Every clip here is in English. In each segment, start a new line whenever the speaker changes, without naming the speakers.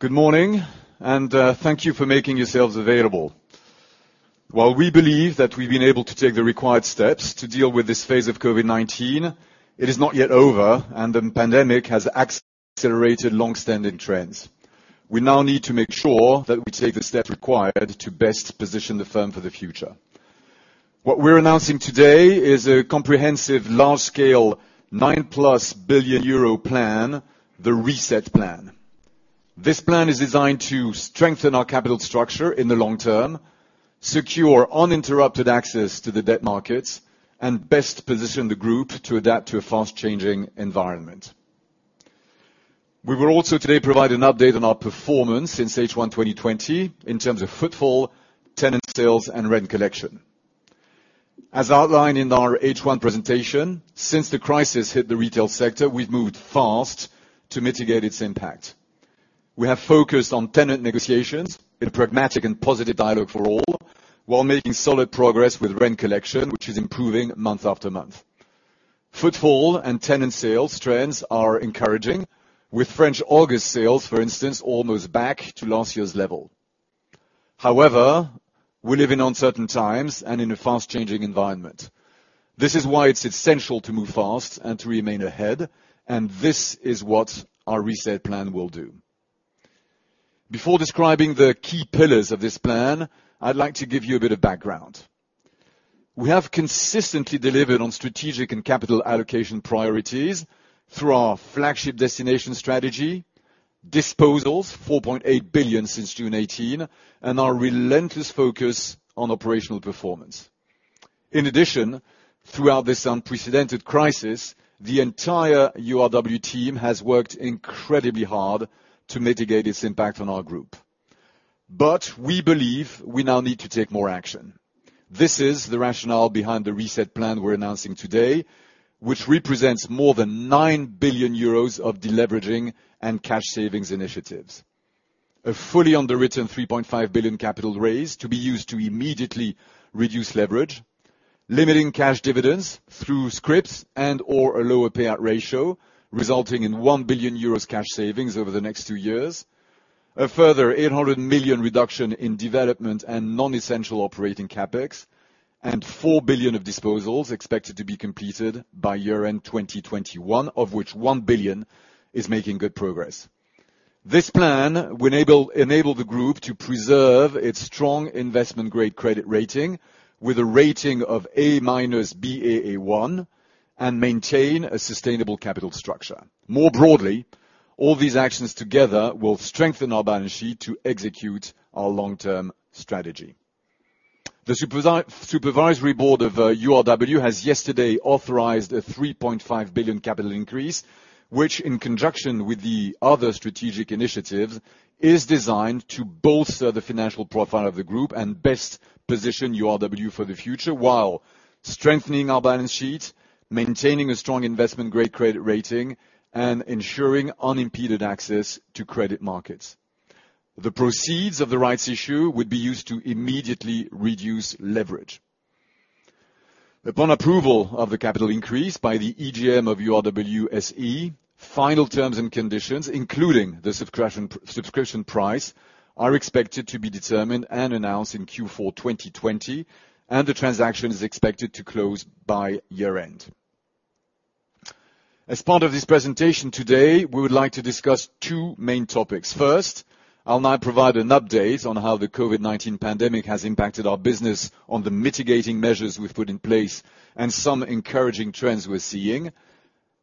Good morning, and, thank you for making yourselves available. While we believe that we've been able to take the required steps to deal with this phase of COVID-19, it is not yet over, and the pandemic has accelerated long-standing trends. We now need to make sure that we take the steps required to best position the firm for the future. What we're announcing today is a comprehensive, large-scale, 9-plus billion euro plan, the RESET Plan. This plan is designed to strengthen our capital structure in the long term, secure uninterrupted access to the debt markets, and best position the group to adapt to a fast-changing environment. We will also today provide an update on our performance since H1 2020 in terms of footfall, tenant sales, and rent collection. As outlined in our H1 presentation, since the crisis hit the retail sector, we've moved fast to mitigate its impact. We have focused on tenant negotiations in a pragmatic and positive dialogue for all, while making solid progress with rent collection, which is improving month after month. Footfall and tenant sales trends are encouraging, with French August sales, for instance, almost back to last year's level. However, we live in uncertain times and in a fast-changing environment. This is why it's essential to move fast and to remain ahead, and this is what our RESET Plan will do. Before describing the key pillars of this plan, I'd like to give you a bit of background. We have consistently delivered on strategic and capital allocation priorities through our flagship destination strategy, disposals, 4.8 billion since June 2018, and our relentless focus on operational performance. In addition, throughout this unprecedented crisis, the entire URW team has worked incredibly hard to mitigate its impact on our group, but we believe we now need to take more action. This is the rationale behind the RESET Plan we're announcing today, which represents more than 9 billion euros of deleveraging and cash savings initiatives. A fully underwritten 3.5 billion capital raise to be used to immediately reduce leverage, limiting cash dividends through scrips and/or a lower payout ratio, resulting in 1 billion euros cash savings over the next two years, a further 800 million reduction in development and non-essential operating CapEx, and 4 billion of disposals expected to be completed by year-end 2021, of which 1 billion is making good progress. This plan will enable the group to preserve its strong investment-grade credit rating with a rating of A-minus Baa1, and maintain a sustainable capital structure. More broadly, all these actions together will strengthen our balance sheet to execute our long-term strategy. The supervisory board of URW has yesterday authorized a 3.5 billion capital increase, which, in conjunction with the other strategic initiatives, is designed to bolster the financial profile of the group and best position URW for the future while strengthening our balance sheet, maintaining a strong investment-grade credit rating, and ensuring unimpeded access to credit markets. The proceeds of the rights issue would be used to immediately reduce leverage. Upon approval of the capital increase by the EGM of URW SE, final terms and conditions, including the subscription, subscription price, are expected to be determined and announced in Q4 2020, and the transaction is expected to close by year-end. As part of this presentation today, we would like to discuss two main topics. First, I'll now provide an update on how the COVID-19 pandemic has impacted our business on the mitigating measures we've put in place and some encouraging trends we're seeing.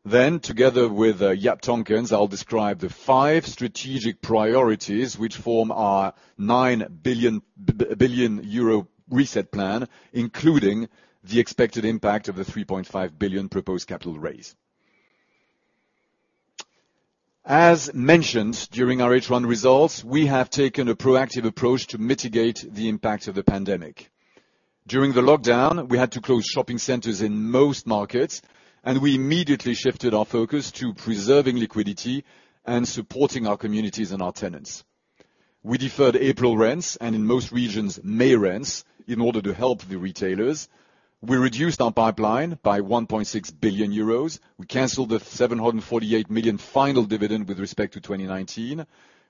Then, together with Jaap Tonckens, I'll describe the five strategic priorities which form our 9 billion euro RESET Plan, including the expected impact of the 3.5 billion proposed capital raise. As mentioned during our H1 results, we have taken a proactive approach to mitigate the impact of the pandemic. During the lockdown, we had to close shopping centers in most markets, and we immediately shifted our focus to preserving liquidity and supporting our communities and our tenants. We deferred April rents, and in most regions, May rents, in order to help the retailers. We reduced our pipeline by 1.6 billion euros. We canceled the 748 million final dividend with respect to 2019.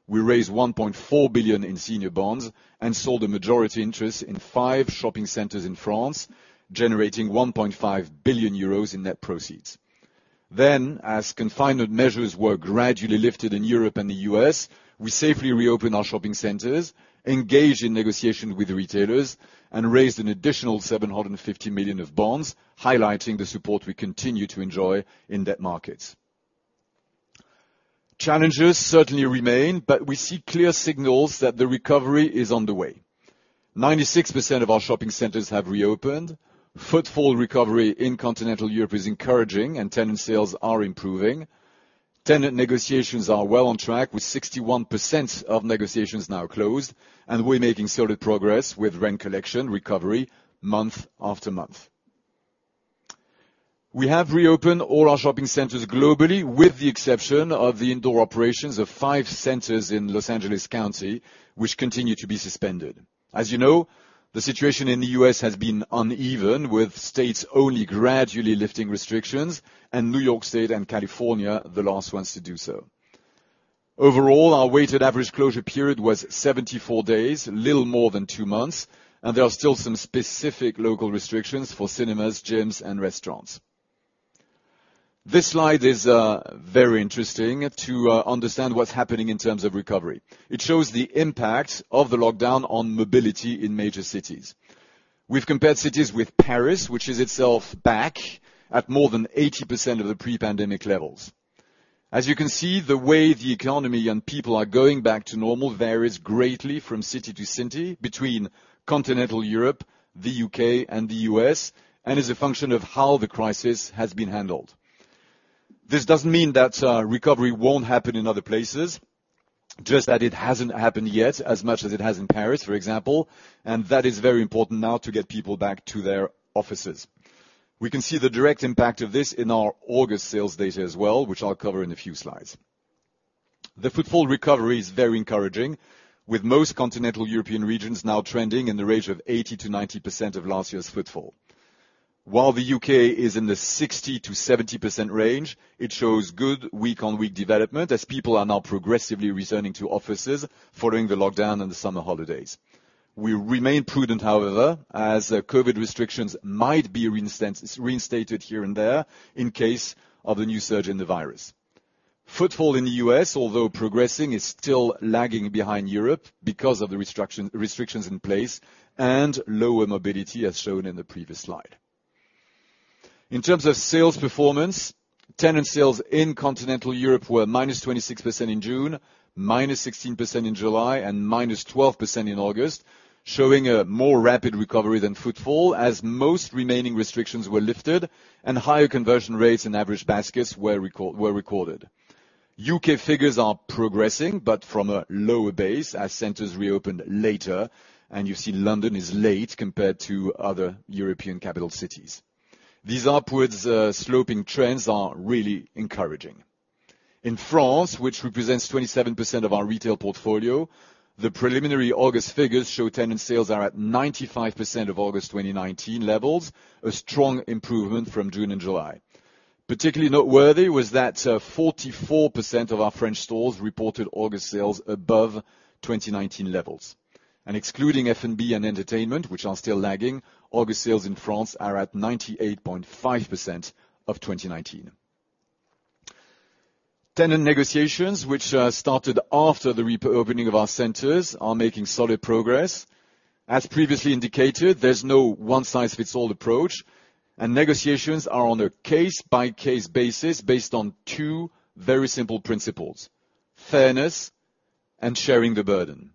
We raised 1.4 billion in senior bonds and sold a majority interest in five shopping centers in France, generating 1.5 billion euros in net proceeds. Then, as confinement measures were gradually lifted in Europe and the U.S., we safely reopened our shopping centers, engaged in negotiation with the retailers, and raised an additional 750 million of bonds, highlighting the support we continue to enjoy in debt markets. Challenges certainly remain, but we see clear signals that the recovery is on the way. 96% of our shopping centers have reopened. Footfall recovery in Continental Europe is encouraging, and tenant sales are improving. Tenant negotiations are well on track, with 61% of negotiations now closed, and we're making solid progress with rent collection recovery month after month. We have reopened all our shopping centers globally, with the exception of the indoor operations of five centers in Los Angeles County, which continue to be suspended. As you know, the situation in the U.S. has been uneven, with states only gradually lifting restrictions and New York State and California, the last ones to do so. Overall, our weighted average closure period was seventy-four days, little more than two months, and there are still some specific local restrictions for cinemas, gyms, and restaurants. This slide is very interesting to understand what's happening in terms of recovery. It shows the impact of the lockdown on mobility in major cities. We've compared cities with Paris, which is itself back at more than 80% of the pre-pandemic levels. As you can see, the way the economy and people are going back to normal varies greatly from city to city between Continental Europe, the U.K., and the U.S., and is a function of how the crisis has been handled. This doesn't mean that recovery won't happen in other places, just that it hasn't happened yet as much as it has in Paris, for example, and that is very important now to get people back to their offices. We can see the direct impact of this in our August sales data as well, which I'll cover in a few slides. The footfall recovery is very encouraging, with most Continental European regions now trending in the range of 80%-90% of last year's footfall. While the U.K. is in the 60%-70% range, it shows good week-on-week development as people are now progressively returning to offices following the lockdown and the summer holidays. We remain prudent, however, as COVID restrictions might be reinstated here and there in case of a new surge in the virus. Footfall in the US, although progressing, is still lagging behind Europe because of the restrictions in place and lower mobility, as shown in the previous slide. In terms of sales performance, tenant sales in continental Europe were -26% in June, -16% in July, and -12% in August, showing a more rapid recovery than footfall as most remaining restrictions were lifted and higher conversion rates and average baskets were recorded. U.K. figures are progressing, but from a lower base, as centers reopened later, and you see London is late compared to other European capital cities. These upwards sloping trends are really encouraging. In France, which represents 27% of our retail portfolio, the preliminary August figures show tenant sales are at 95% of August 2019 levels, a strong improvement from June and July. Particularly noteworthy was that, forty-four percent of our French stores reported August sales above 2019 levels, and excluding F&B and entertainment, which are still lagging, August sales in France are at 98.5% of 2019. Tenant negotiations, which, started after the re-opening of our centers, are making solid progress. As previously indicated, there's no one-size-fits-all approach, and negotiations are on a case-by-case basis, based on two very simple principles: fairness and sharing the burden.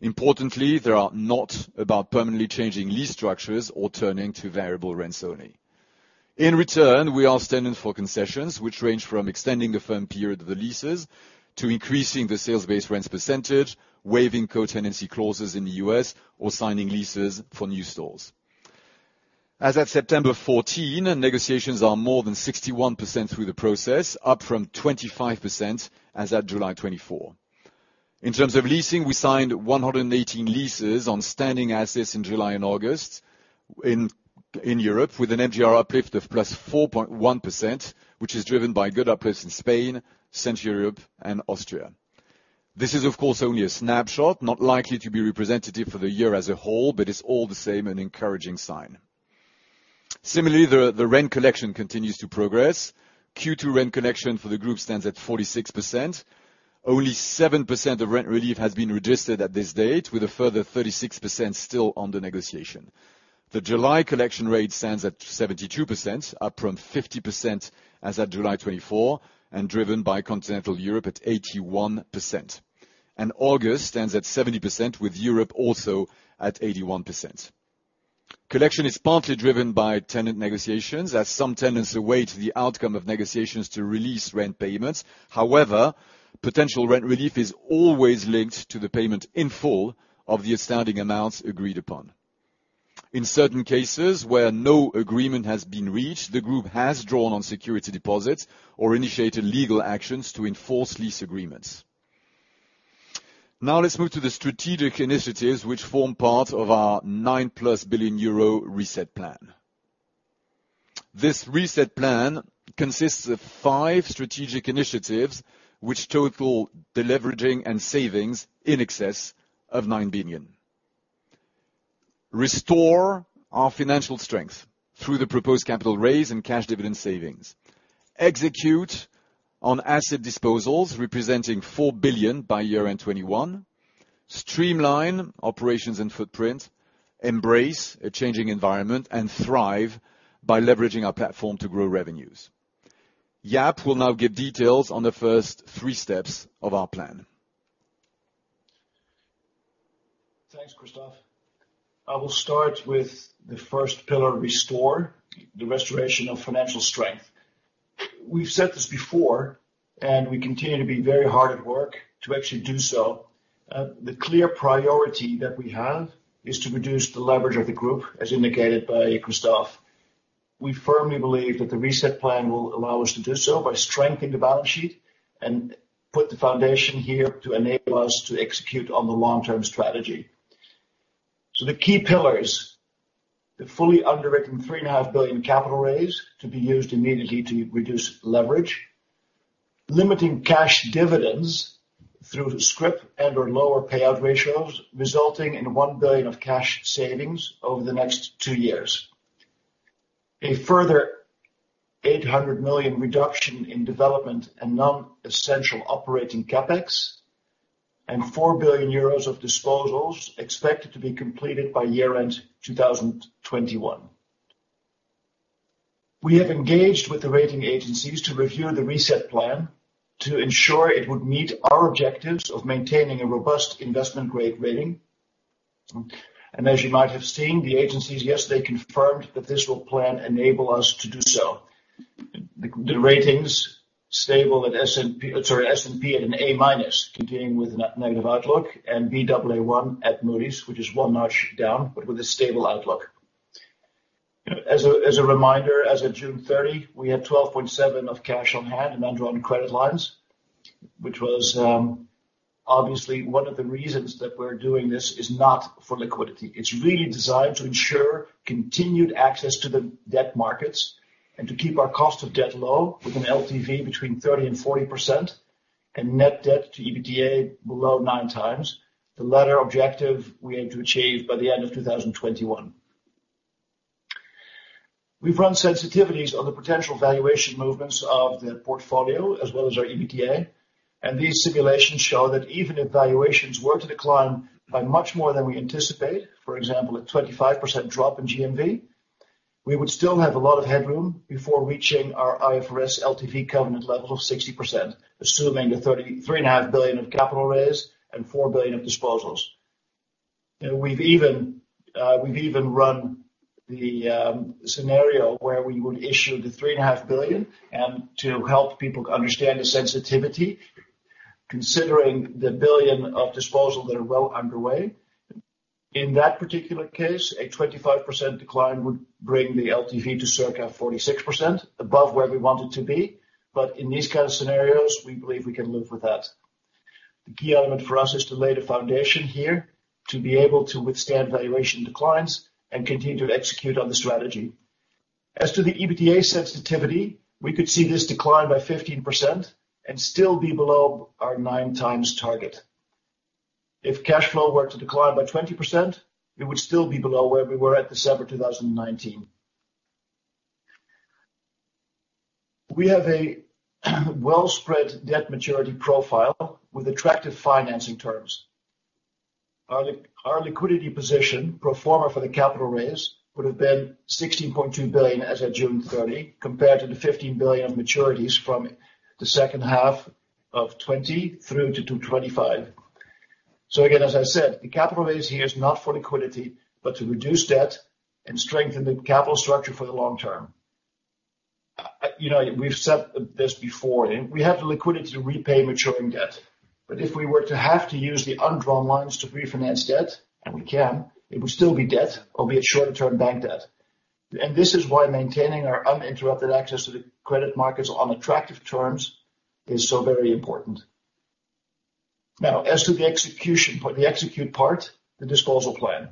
Importantly, they are not about permanently changing lease structures or turning to variable rents only. In return, we are standing for concessions which range from extending the firm period of the leases to increasing the sales-based rents percentage, waiving co-tenancy clauses in the U.S., or signing leases for new stores. As of September 14, negotiations are more than 61% through the process, up from 25% as at July 24. In terms of leasing, we signed 118 leases on standing assets in July and August in Europe, with an MGR uplift of +4.1%, which is driven by good uplifts in Spain, Central Europe, and Austria. This is, of course, only a snapshot, not likely to be representative for the year as a whole, but it's all the same, an encouraging sign. Similarly, the rent collection continues to progress. Q2 rent collection for the group stands at 46%. Only 7% of rent relief has been registered at this date, with a further 36% still under negotiation. The July collection rate stands at 72%, up from 50% as at July 24, and driven by continental Europe at 81%, and August stands at 70%, with Europe also at 81%. Collection is partly driven by tenant negotiations, as some tenants await the outcome of negotiations to release rent payments. However, potential rent relief is always linked to the payment in full of the outstanding amounts agreed upon. In certain cases where no agreement has been reached, the group has drawn on security deposits or initiated legal actions to enforce lease agreements. Now, let's move to the strategic initiatives which form part of our 9+ billion euro reset plan. This RESET Plan consists of five strategic initiatives, which total the deleveraging and savings in excess of 9 billion. Restore our financial strength through the proposed capital raise and cash dividend savings. Execute on asset disposals, representing 4 billion by year-end 2021. Streamline operations and footprint. Embrace a changing environment, and thrive by leveraging our platform to grow revenues. Jaap will now give details on the first three steps of our plan.
Thanks, Christophe. I will start with the first pillar, Restore, the restoration of financial strength. We've said this before, and we continue to be very hard at work to actually do so. The clear priority that we have is to reduce the leverage of the group, as indicated by Christophe. We firmly believe that the RESET Plan will allow us to do so by strengthening the balance sheet and put the foundation here to enable us to execute on the long-term strategy. So the key pillars, the fully underwritten 3.5 billion capital raise to be used immediately to reduce leverage, limiting cash dividends through scrip and/or lower payout ratios, resulting in 1 billion of cash savings over the next two years. A further 800 million reduction in development and non-essential operating CapEx, and 4 billion euros of disposals expected to be completed by year-end 2021. We have engaged with the rating agencies to review the reset plan to ensure it would meet our objectives of maintaining a robust investment grade rating. As you might have seen, the agencies, yes, they confirmed that this will plan enable us to do so. The ratings stable at S&P at an A-minus, continuing with negative outlook, and Baa1 at Moody's, which is one notch down, but with a stable outlook. As a reminder, as of June 30, we had 12.7 billion of cash on hand and undrawn credit lines, which was, obviously, one of the reasons that we're doing this is not for liquidity. It's really designed to ensure continued access to the debt markets and to keep our cost of debt low with an LTV between 30% and 40% and net debt to EBITDA below 9 times. The latter objective we aim to achieve by the end of 2021. We've run sensitivities on the potential valuation movements of the portfolio, as well as our EBITDA, and these simulations show that even if valuations were to decline by much more than we anticipate, for example, a 25% drop in GMV, we would still have a lot of headroom before reaching our IFRS LTV covenant level of 60%, assuming the 33.5 billion of capital raise and 4 billion of disposals. We've even run the scenario where we would issue the 3.5 billion, and to help people understand the sensitivity, considering the 1 billion of disposals that are well underway. In that particular case, a 25% decline would bring the LTV to circa 46%, above where we want it to be. But in these kind of scenarios, we believe we can live with that. The key element for us is to lay the foundation here, to be able to withstand valuation declines and continue to execute on the strategy. As to the EBITDA sensitivity, we could see this decline by 15% and still be below our 9x target. If cash flow were to decline by 20%, it would still be below where we were at December 2019. We have a well spread debt maturity profile with attractive financing terms. Our liquidity position, pro forma for the capital raise, would have been 16.2 billion as of June thirty, compared to the 15 billion maturities from the second half of 2020 through to 2025. So again, as I said, the capital raise here is not for liquidity, but to reduce debt and strengthen the capital structure for the long term. You know, we've said this before, and we have the liquidity to repay maturing debt, but if we were to have to use the undrawn lines to refinance debt, and we can, it would still be debt, albeit short-term bank debt. And this is why maintaining our uninterrupted access to the credit markets on attractive terms is so very important. Now, as to the execution part, the disposal plan.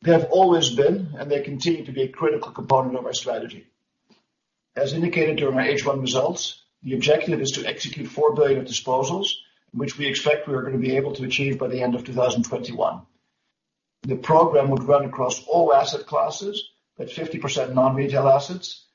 They have always been, and they continue to be a critical component of our strategy. As indicated during our H1 results, the objective is to execute four billion of disposals, which we expect we are going to be able to achieve by the end of two thousand and twenty-one. The program would run across all asset classes at 50% non-retail assets,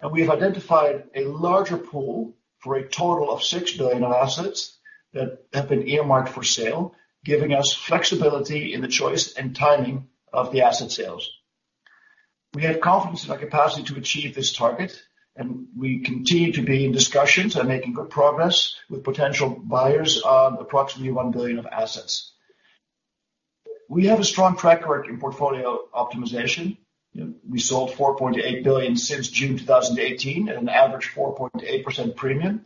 and we have identified a larger pool for a total of six billion of assets that have been earmarked for sale, giving us flexibility in the choice and timing of the asset sales. We have confidence in our capacity to achieve this target, and we continue to be in discussions and making good progress with potential buyers on approximately one billion of assets. We have a strong track record in portfolio optimization. We sold 4.8 billion since June 2018 at an average 4.8% premium,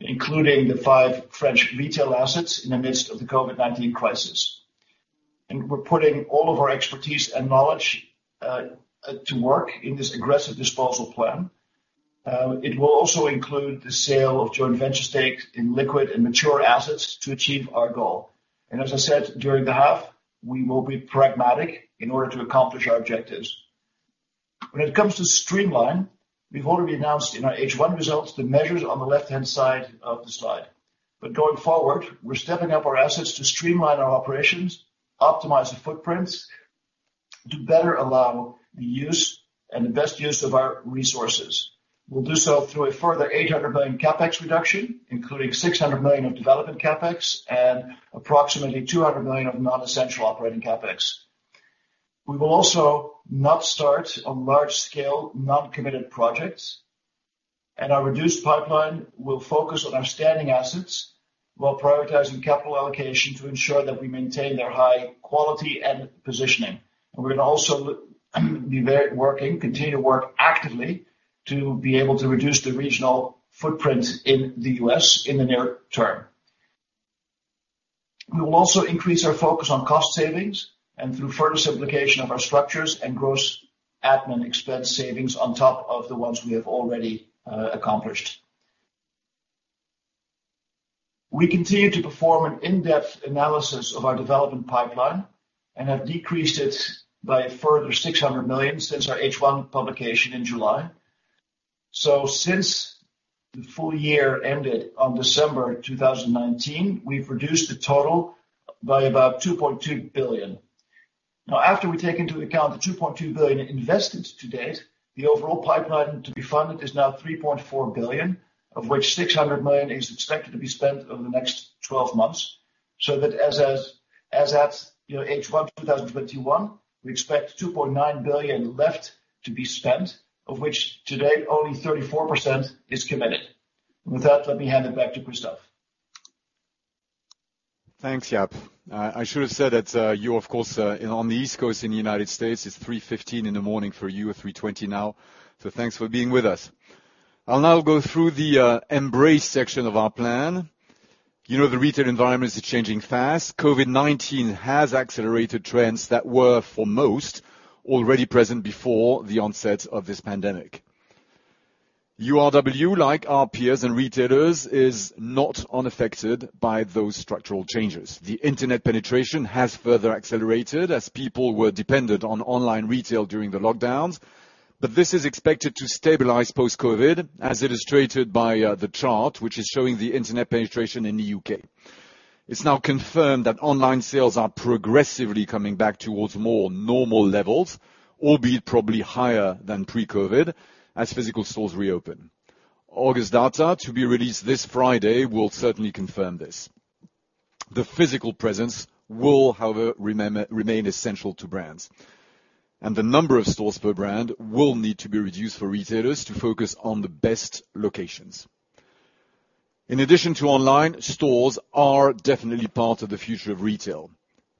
including the five French retail assets in the midst of the COVID-19 crisis. And we're putting all of our expertise and knowledge to work in this aggressive disposal plan. It will also include the sale of joint venture stakes in liquid and mature assets to achieve our goal. And as I said during the half, we will be pragmatic in order to accomplish our objectives. When it comes to streamline, we've already announced in our H1 results the measures on the left-hand side of the slide. But going forward, we're stepping up our assets to streamline our operations, optimize the footprints, to better allow the use and the best use of our resources. We'll do so through a further eight hundred million CapEx reduction, including six hundred million of development CapEx and approximately two hundred million of non-essential operating CapEx. We will also not start on large scale, non-committed projects, and our reduced pipeline will focus on our standing assets while prioritizing capital allocation to ensure that we maintain their high quality and positioning, and we're going to also continue to work actively to be able to reduce the regional footprint in the U.S. in the near term. We will also increase our focus on cost savings and through further simplification of our structures and gross admin expense savings on top of the ones we have already accomplished. We continue to perform an in-depth analysis of our development pipeline, and have decreased it by a further six hundred million since our H1 publication in July. So since the full year ended on December 2019, we've reduced the total by about 2.2 billion. Now, after we take into account the 2.2 billion invested to date, the overall pipeline to be funded is now 3.4 billion, of which 600 million is expected to be spent over the next 12 months. So that, as at, you know, H1 2021, we expect 2.9 billion left to be spent, of which today only 34% is committed. With that, let me hand it back to Christophe.
Thanks, Jaap. I should have said that you of course on the East Coast in the United States, it's 3:15 A.M. in the morning for you, or 3:20 A.M. now, so thanks for being with us. I'll now go through the embrace section of our plan. You know, the retail environment is changing fast. COVID-19 has accelerated trends that were, for most, already present before the onset of this pandemic. URW, like our peers and retailers, is not unaffected by those structural changes. The internet penetration has further accelerated as people were dependent on online retail during the lockdowns, but this is expected to stabilize post-COVID, as illustrated by the chart, which is showing the internet penetration in the U.K. It's now confirmed that online sales are progressively coming back towards more normal levels, albeit probably higher than pre-COVID, as physical stores reopen. August data, to be released this Friday, will certainly confirm this. The physical presence will, however, remain essential to brands, and the number of stores per brand will need to be reduced for retailers to focus on the best locations. In addition to online, stores are definitely part of the future of retail.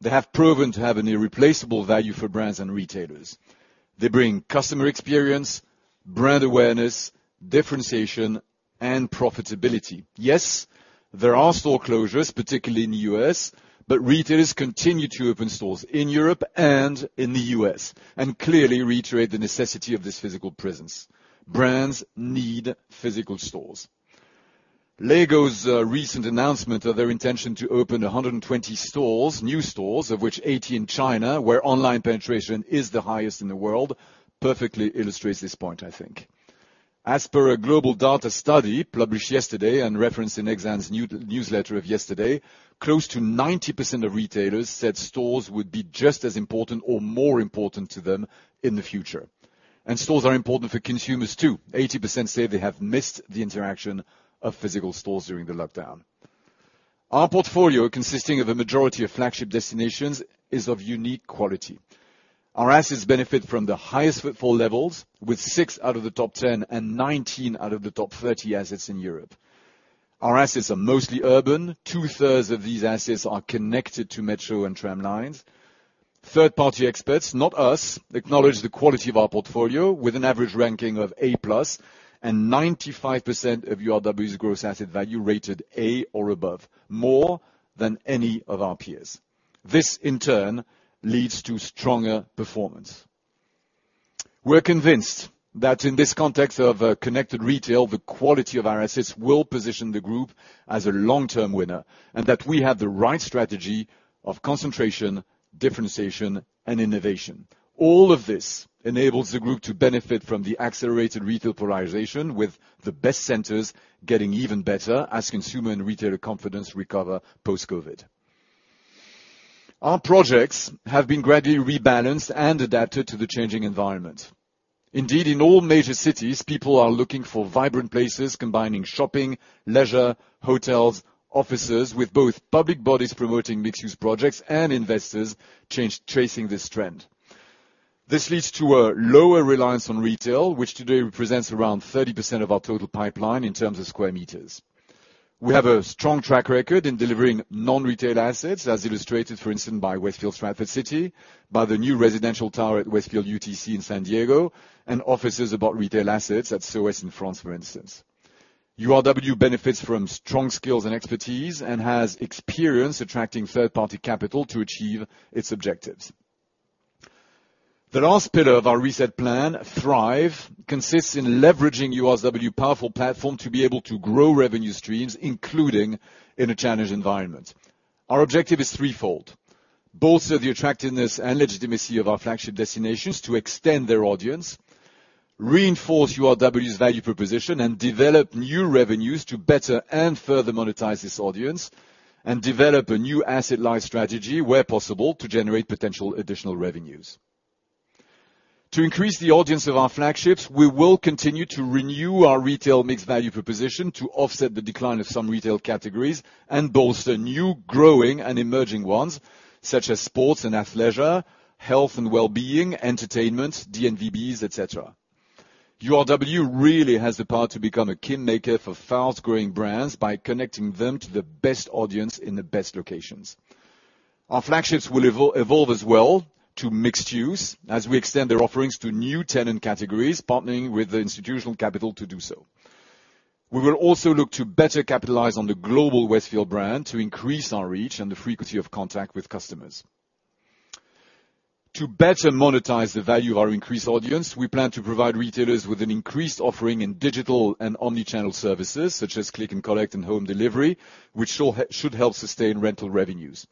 They have proven to have an irreplaceable value for brands and retailers. They bring customer experience, brand awareness, differentiation, and profitability. Yes, there are store closures, particularly in the U.S., but retailers continue to open stores in Europe and in the U.S., and clearly reiterate the necessity of this physical presence. Brands need physical stores. LEGO's recent announcement of their intention to open 120 stores, new stores, of which 80 in China, where online penetration is the highest in the world, perfectly illustrates this point, I think. As per a GlobalData study published yesterday and referenced in Exane's newsletter of yesterday, close to 90% of retailers said stores would be just as important or more important to them in the future, and stores are important for consumers, too. 80% say they have missed the interaction of physical stores during the lockdown. Our portfolio, consisting of the majority of flagship destinations, is of unique quality. Our assets benefit from the highest footfall levels, with six out of the top 10 and 19 out of the top 30 assets in Europe. Our assets are mostly urban. Two-thirds of these assets are connected to metro and tram lines. Third-party experts, not us, acknowledge the quality of our portfolio with an average ranking of A+, and 95% of URW's gross asset value rated A or above, more than any of our peers. This, in turn, leads to stronger performance. We're convinced that in this context of connected retail, the quality of our assets will position the group as a long-term winner, and that we have the right strategy of concentration, differentiation, and innovation. All of this enables the group to benefit from the accelerated retail polarization, with the best centers getting even better as consumer and retailer confidence recover post-COVID. Our projects have been gradually rebalanced and adapted to the changing environment. Indeed, in all major cities, people are looking for vibrant places, combining shopping, leisure, hotels, offices, with both public bodies promoting mixed-use projects and investors chasing this trend. This leads to a lower reliance on retail, which today represents around 30% of our total pipeline in terms of square meters. We have a strong track record in delivering non-retail assets, as illustrated, for instance, by Westfield Stratford City, by the new residential tower at Westfield UTC in San Diego, and offices above retail assets at So Ouest in France, for instance. URW benefits from strong skills and expertise and has experience attracting third-party capital to achieve its objectives. The last pillar of our RESET Plan, Thrive, consists in leveraging URW's powerful platform to be able to grow revenue streams, including in a challenged environment. Our objective is threefold: bolster the attractiveness and legitimacy of our flagship destinations to extend their audience, reinforce URW's value proposition, and develop new revenues to better and further monetize this audience, and develop a new asset life strategy, where possible, to generate potential additional revenues. To increase the audience of our flagships, we will continue to renew our retail mixed value proposition to offset the decline of some retail categories and bolster new, growing, and emerging ones, such as sports and athleisure, health and wellbeing, entertainment, DNVBs, et cetera. URW really has the power to become a kingmaker for fast-growing brands by connecting them to the best audience in the best locations. Our flagships will evolve as well to mixed use as we extend their offerings to new tenant categories, partnering with the institutional capital to do so. We will also look to better capitalize on the global Westfield brand to increase our reach and the frequency of contact with customers. To better monetize the value of our increased audience, we plan to provide retailers with an increased offering in digital and omni-channel services, such as click and collect and home delivery, which should help sustain rental revenues.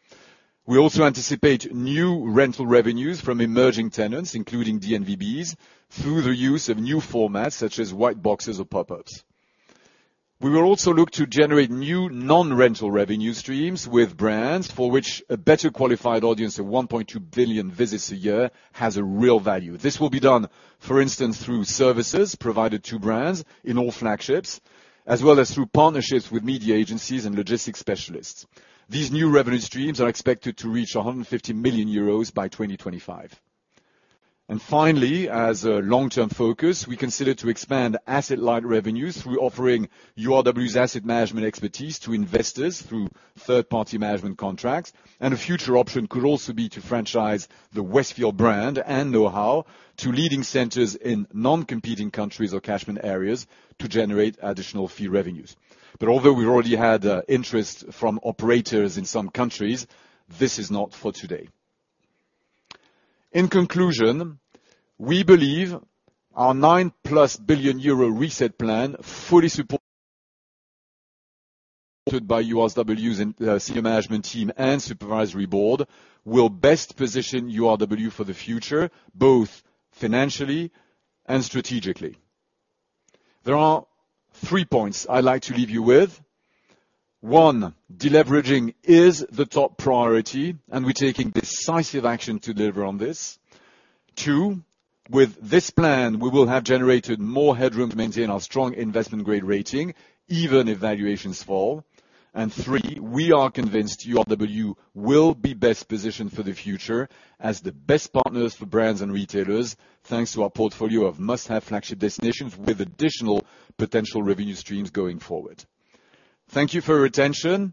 We also anticipate new rental revenues from emerging tenants, including DNVBs, through the use of new formats, such as white boxes or pop-ups. We will also look to generate new non-rental revenue streams with brands for which a better qualified audience of one point two billion visits a year has a real value. This will be done, for instance, through services provided to brands in all flagships, as well as through partnerships with media agencies and logistics specialists. These new revenue streams are expected to reach 150 million euros by 2025. And finally, as a long-term focus, we consider to expand asset-light revenues through offering URW's asset management expertise to investors through third-party management contracts, and a future option could also be to franchise the Westfield brand and know-how to leading centers in non-competing countries or catchment areas to generate additional fee revenues. But although we already had interest from operators in some countries, this is not for today. In conclusion, we believe our 9+ billion euro RESET Plan, fully supported by URW's senior management team and supervisory board, will best position URW for the future, both financially and strategically. There are three points I'd like to leave you with. One, deleveraging is the top priority, and we're taking decisive action to deliver on this. Two, with this plan, we will have generated more headroom to maintain our strong investment grade rating, even if valuations fall. And three, we are convinced URW will be best positioned for the future as the best partners for brands and retailers, thanks to our portfolio of must-have flagship destinations with additional potential revenue streams going forward. Thank you for your attention,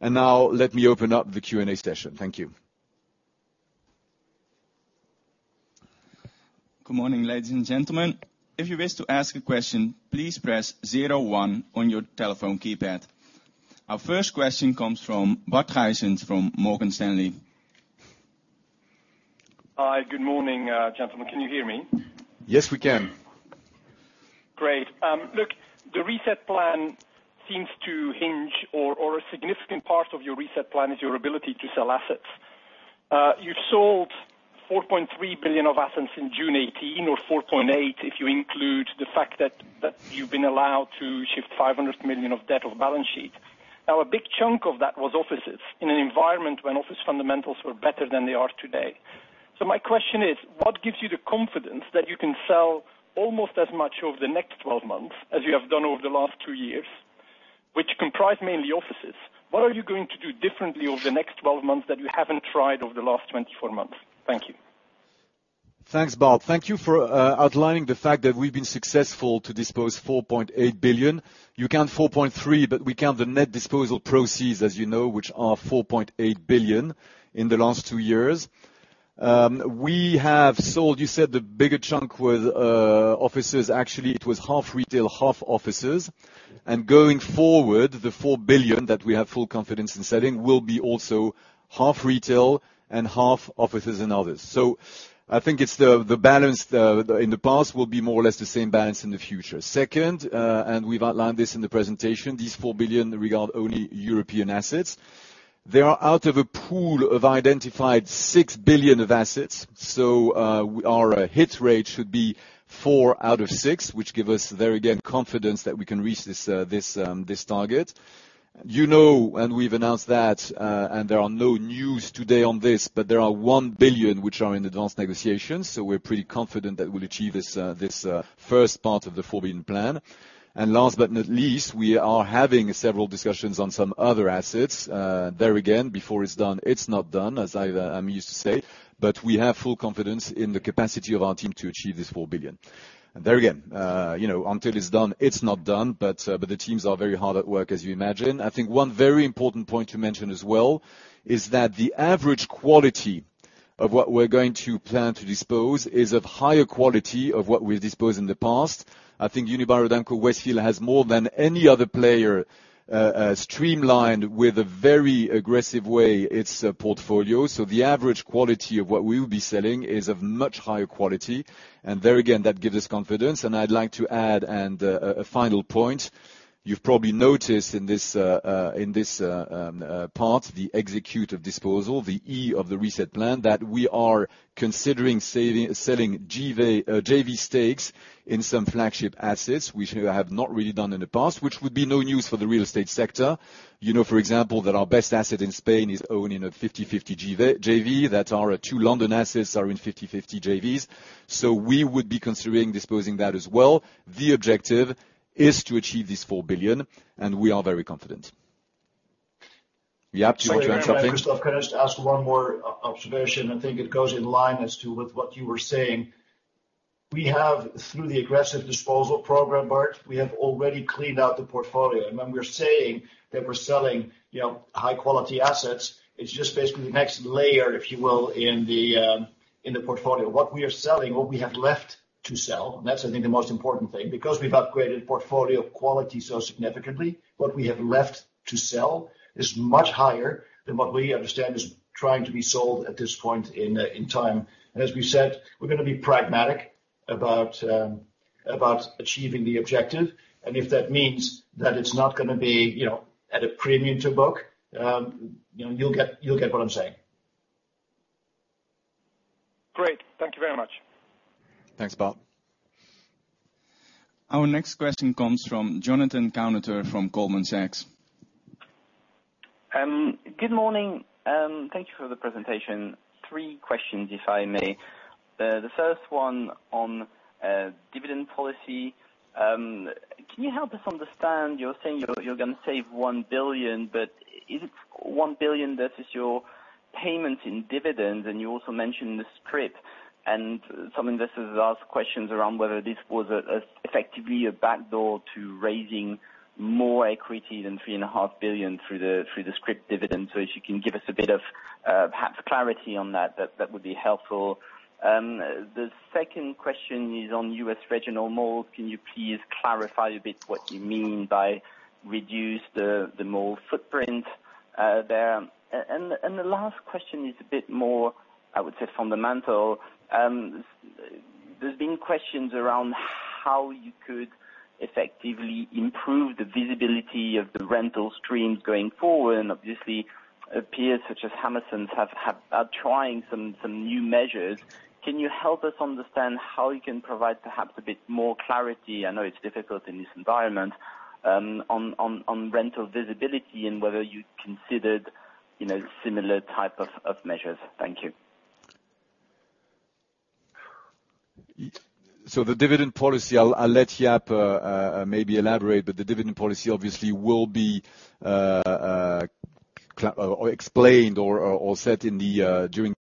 and now let me open up the Q&A session. Thank you.
Good morning, ladies and gentlemen. If you wish to ask a question, please press zero one on your telephone keypad. Our first question comes from Bart Gysens from Morgan Stanley.
Hi, good morning, gentlemen. Can you hear me?
Yes, we can.
Great. Look, the reset plan seems to hinge or a significant part of your reset plan is your ability to sell assets. You've sold 4.3 billion of assets in June 2018, or 4.8 billion, if you include the fact that you've been allowed to shift 500 million of debt off balance sheet. Now, a big chunk of that was offices, in an environment when office fundamentals were better than they are today. So my question is: What gives you the confidence that you can sell almost as much over the next 12 months as you have done over the last two years, which comprise mainly offices? What are you going to do differently over the next 12 months that you haven't tried over the last 24 months? Thank you.
Thanks, Bart. Thank you for outlining the fact that we've been successful to dispose 4.8 billion. You count 4.3 billion, but we count the net disposal proceeds, as you know, which are 4.8 billion in the last two years. We have sold, you said the bigger chunk was offices. Actually, it was half retail, half offices, and going forward, the 4 billion that we have full confidence in selling will be also half retail and half offices and others. So I think it's the balance in the past will be more or less the same balance in the future. Second, and we've outlined this in the presentation, these 4 billion regard only European assets. They are out of a pool of identified 6 billion of assets, so, our hit rate should be four out of six, which give us, there again, confidence that we can reach this, this target. You know, and we've announced that, and there are no news today on this, but there are 1 billion which are in advanced negotiations, so we're pretty confident that we'll achieve this, this, first part of the 4 billion plan. And last but not least, we are having several discussions on some other assets. There again, before it's done, it's not done, as I am used to say, but we have full confidence in the capacity of our team to achieve this 4 billion. And there again, you know, until it's done, it's not done, but the teams are very hard at work, as you imagine. I think one very important point to mention as well, is that the average quality of what we're going to plan to dispose is of higher quality of what we've disposed in the past. I think Unibail-Rodamco-Westfield has more than any other player, streamlined with a very aggressive way, its portfolio. So the average quality of what we will be selling is of much higher quality, and there again, that gives us confidence. I'd like to add a final point. You've probably noticed in this part, the execution of disposals, the E of the RESET Plan, that we are considering selling JV stakes in some flagship assets, which we have not really done in the past, which would be no news for the real estate sector. You know, for example, that our best asset in Spain is owned in a fifty-fifty JV, that our two London assets are in fifty-fifty JVs. So we would be considering disposing that as well. The objective is to achieve this 4 billion, and we are very confident. Yeah, do you want to add something?
Sorry, can I just ask one more observation? I think it goes in line as to with what you were saying. We have, through the aggressive disposal program, Bart, we have already cleaned out the portfolio. And when we're saying that we're selling, you know, high quality assets, it's just basically the next layer, if you will, in the, in the portfolio. What we are selling, what we have left to sell, and that's, I think, the most important thing, because we've upgraded portfolio quality so significantly, what we have left to sell is much higher than what we understand is trying to be sold at this point in, in time. And as we said, we're gonna be pragmatic about... about achieving the objective, and if that means that it's not gonna be, you know, at a premium to book, you know, you'll get what I'm saying.
Great. Thank you very much.
Thanks, Bob.
Our next question comes from Jonathan Kownator from Goldman Sachs.
Good morning, thank you for the presentation. Three questions, if I may. The first one on dividend policy. Can you help us understand, you're saying you're gonna save 1 billion, but is it 1 billion versus your payments in dividends? And you also mentioned the scrip, and some investors asked questions around whether this was effectively a backdoor to raising more equity than 3.5 billion through the scrip dividend. So if you can give us a bit of perhaps clarity on that, that would be helpful. The second question is on U.S. regional malls. Can you please clarify a bit what you mean by reduce the mall footprint there? And the last question is a bit more, I would say, fundamental. There's been questions around how you could effectively improve the visibility of the rental streams going forward, and obviously, peers such as Hammerson have are trying some new measures. Can you help us understand how you can provide perhaps a bit more clarity? I know it's difficult in this environment, on rental visibility and whether you considered, you know, similar type of measures? Thank you.
The dividend policy, I'll let Jaap maybe elaborate, but the dividend policy obviously will be explained or set during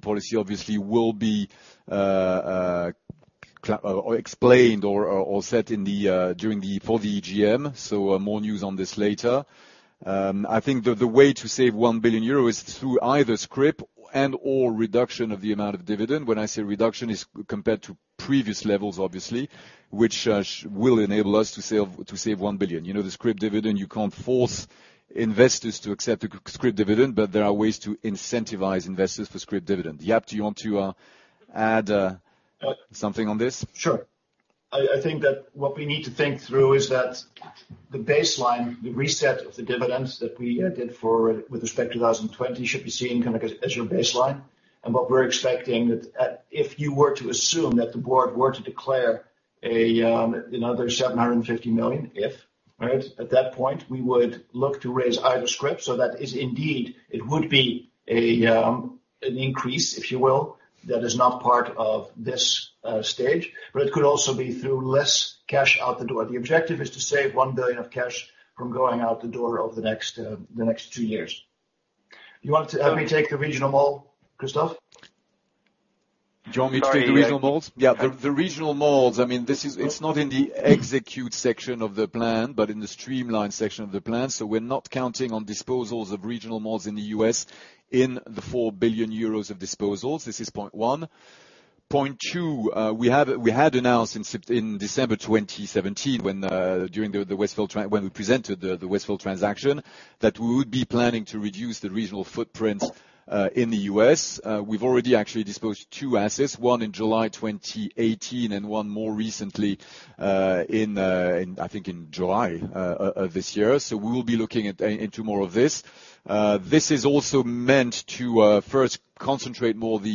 the EGM, so more news on this later. I think the way to save 1 billion euros is through either scrip and/or reduction of the amount of dividend. When I say reduction, it's compared to previous levels, obviously, which will enable us to save 1 billion EUR. You know, the scrip dividend, you can't force investors to accept the scrip dividend, but there are ways to incentivize investors for scrip dividend. Jaap, do you want to add something on this?
Sure. I think that what we need to think through is that the baseline, the reset of the dividends that we did for with respect to 2020, should be seen kind of as your baseline. And what we're expecting that if you were to assume that the board were to declare another 750 million, if right? At that point, we would look to raise either scrip, so that is indeed it would be an increase, if you will. That is not part of this stage, but it could also be through less cash out the door. The objective is to save 1 billion of cash from going out the door over the next two years. You want to have me take the regional mall, Christophe?
Do you want me to take the regional malls? Yeah, the regional malls, I mean, this is. It's not in the execute section of the plan, but in the streamline section of the plan, so we're not counting on disposals of regional malls in the U.S. in the 4 billion euros of disposals. This is point one. Point two, we had announced in December 2017, when we presented the Westfield transaction, that we would be planning to reduce the regional footprint in the U.S. We've already actually disposed two assets, one in July 2018, and one more recently, in I think in July this year. So we will be looking into more of this. This is also meant to first concentrate more of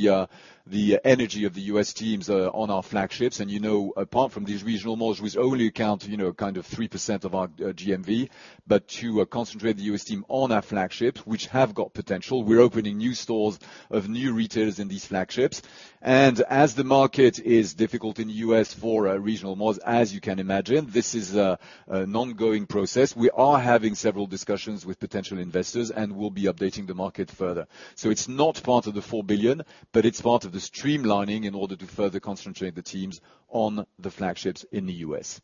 the energy of the U.S. teams on our flagships. And, you know, apart from these regional malls, which only account, you know, kind of 3% of our GMV, but to concentrate the U.S. team on our flagships, which have got potential. We're opening new stores of new retailers in these flagships. And as the market is difficult in the U.S. for regional malls, as you can imagine, this is an ongoing process. We are having several discussions with potential investors, and we'll be updating the market further. So it's not part of the 4 billion, but it's part of the streamlining in order to further concentrate the teams on the flagships in the US.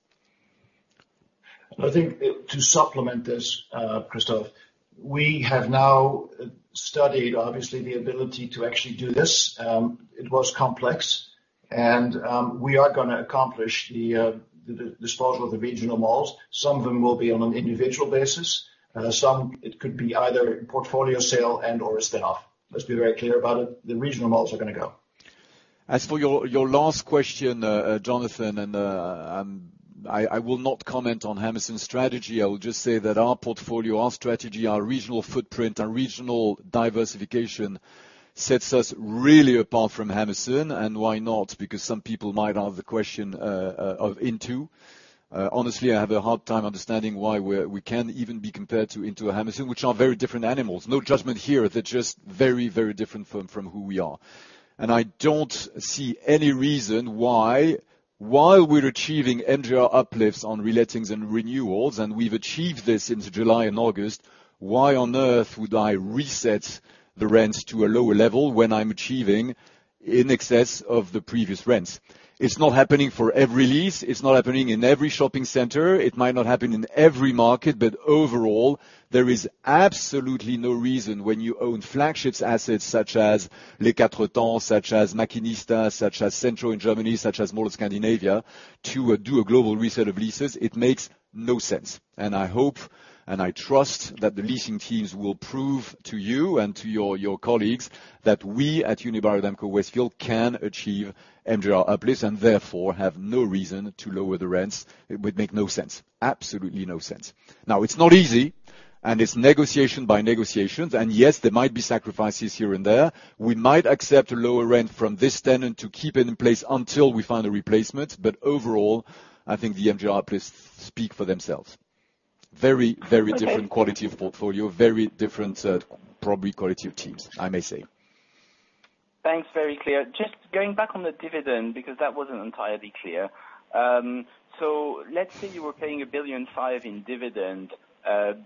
I think to supplement this, Christophe, we have now studied, obviously, the ability to actually do this. It was complex, and we are gonna accomplish the disposal of the regional malls. Some of them will be on an individual basis, some it could be either a portfolio sale and/or a spinoff. Let's be very clear about it. The regional malls are gonna go.
As for your last question, Jonathan, and I will not comment on Hammerson's strategy. I will just say that our portfolio, our strategy, our regional footprint, our regional diversification sets us really apart from Hammerson. And why not? Because some people might have the question of Intu. Honestly, I have a hard time understanding why we can even be compared to Intu or Hammerson, which are very different animals. No judgment here. They're just very, very different from who we are. And I don't see any reason why, while we're achieving MGR uplifts on relettings and renewals, and we've achieved this since July and August, why on earth would I reset the rents to a lower level when I'm achieving in excess of the previous rents? It's not happening for every lease. It's not happening in every shopping center. It might not happen in every market, but overall, there is absolutely no reason when you own flagships assets such as Les Quatre Temps, such as La Maquinista, such as CentrO in Germany, such as Mall of Scandinavia, to do a global reset of leases. It makes no sense, and I hope and I trust that the leasing teams will prove to you and to your, your colleagues, that we, at Unibail-Rodamco-Westfield, can achieve MGR uplifts, and therefore, have no reason to lower the rents. It would make no sense, absolutely no sense. Now, it's not easy, and it's negotiation by negotiations, and, yes, there might be sacrifices here and there. We might accept a lower rent from this tenant to keep it in place until we find a replacement, but overall, I think the MGR uplifts speak for themselves. Very, very different quality of portfolio, very different, probably quality of teams, I may say.
Thanks, very clear. Just going back on the dividend, because that wasn't entirely clear. So let's say you were paying 1.5 billion in dividend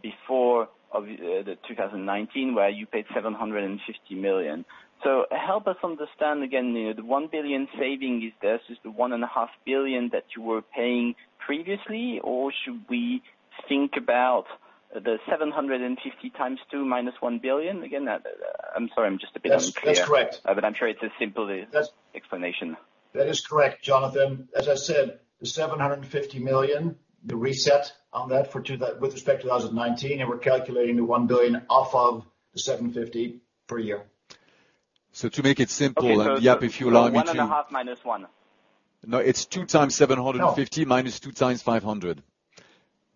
before the two thousand and nineteen, where you paid 750 million. So help us understand again, you know, the 1 billion saving. Is this the 1.5 billion that you were paying previously, or should we think about the 750 million times two minus 1 billion? Again, I'm sorry. I'm just a bit unclear.
That's correct.
But I'm sure it's a simple
That's
explanation.
That is correct, Jonathan. As I said, the 750 million, the reset on that for 2019 with respect to 2019, and we're calculating the 1 billion off of the 750 per year.
So to make it simple
Okay, so
Yep, if you allow me to
One and a half minus one.
No, it's two times seven hundred and fifty
No.
Minus two times five hundred.
Yeah.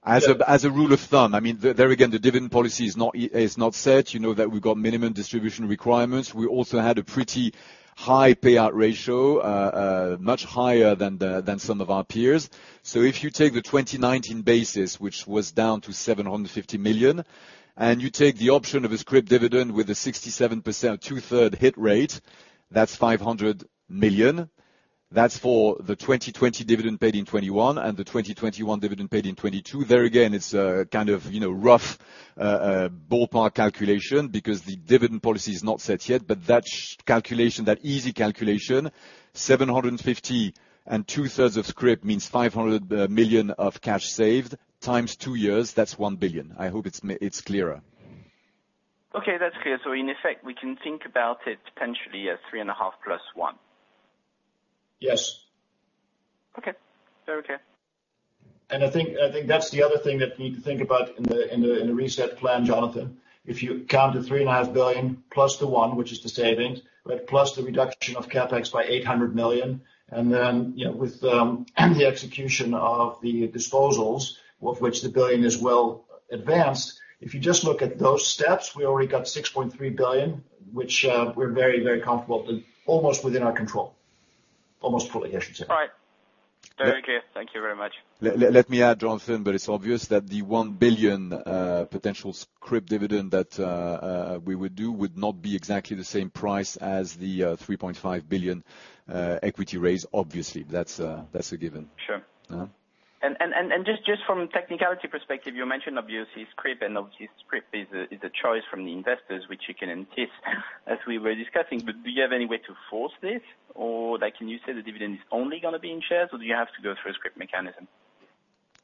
As a rule of thumb, I mean, there again, the dividend policy is not set. You know that we've got minimum distribution requirements. We also had a pretty high payout ratio, much higher than some of our peers. So if you take the 2019 basis, which was down to 750 million, and you take the option of a scrip dividend with a 67%, two-thirds hit rate, that's 500 million. That's for the 2020 dividend paid in 2021, and the 2021 dividend paid in 2022. There again, it's a kind of, you know, rough, ballpark calculation, because the dividend policy is not set yet. That calculation, that easy calculation, 750 and two-thirds of scrip, means 500 million of cash saved, times two years, that's 1 billion. I hope it's clearer.
Okay, that's clear. So in effect, we can think about it potentially as three and a half plus one?
Yes.
Okay, very clear.
I think that's the other thing that we need to think about in the reset plan, Jonathan. If you count the 3.5 billion, plus the 1 billion, which is the savings, but plus the reduction of CapEx by 800 million, and then, you know, with the execution of the disposals, of which the 1 billion is well advanced, if you just look at those steps, we already got 6.3 billion, which, we're very, very comfortable and almost within our control. Almost fully, I should say.
All right. Thank you. Thank you very much.
Let me add, Jonathan, but it's obvious that the 1 billion potential scrip dividend that we would do would not be exactly the same price as the 3.5 billion equity raise, obviously. That's a given.
Sure.
Uh-huh.
Just from a technicality perspective, you mentioned, obviously, scrip, and obviously scrip is a choice from the investors, which you can entice, as we were discussing. But do you have any way to force this? Or, like, can you say the dividend is only gonna be in shares, or do you have to go through a scrip mechanism?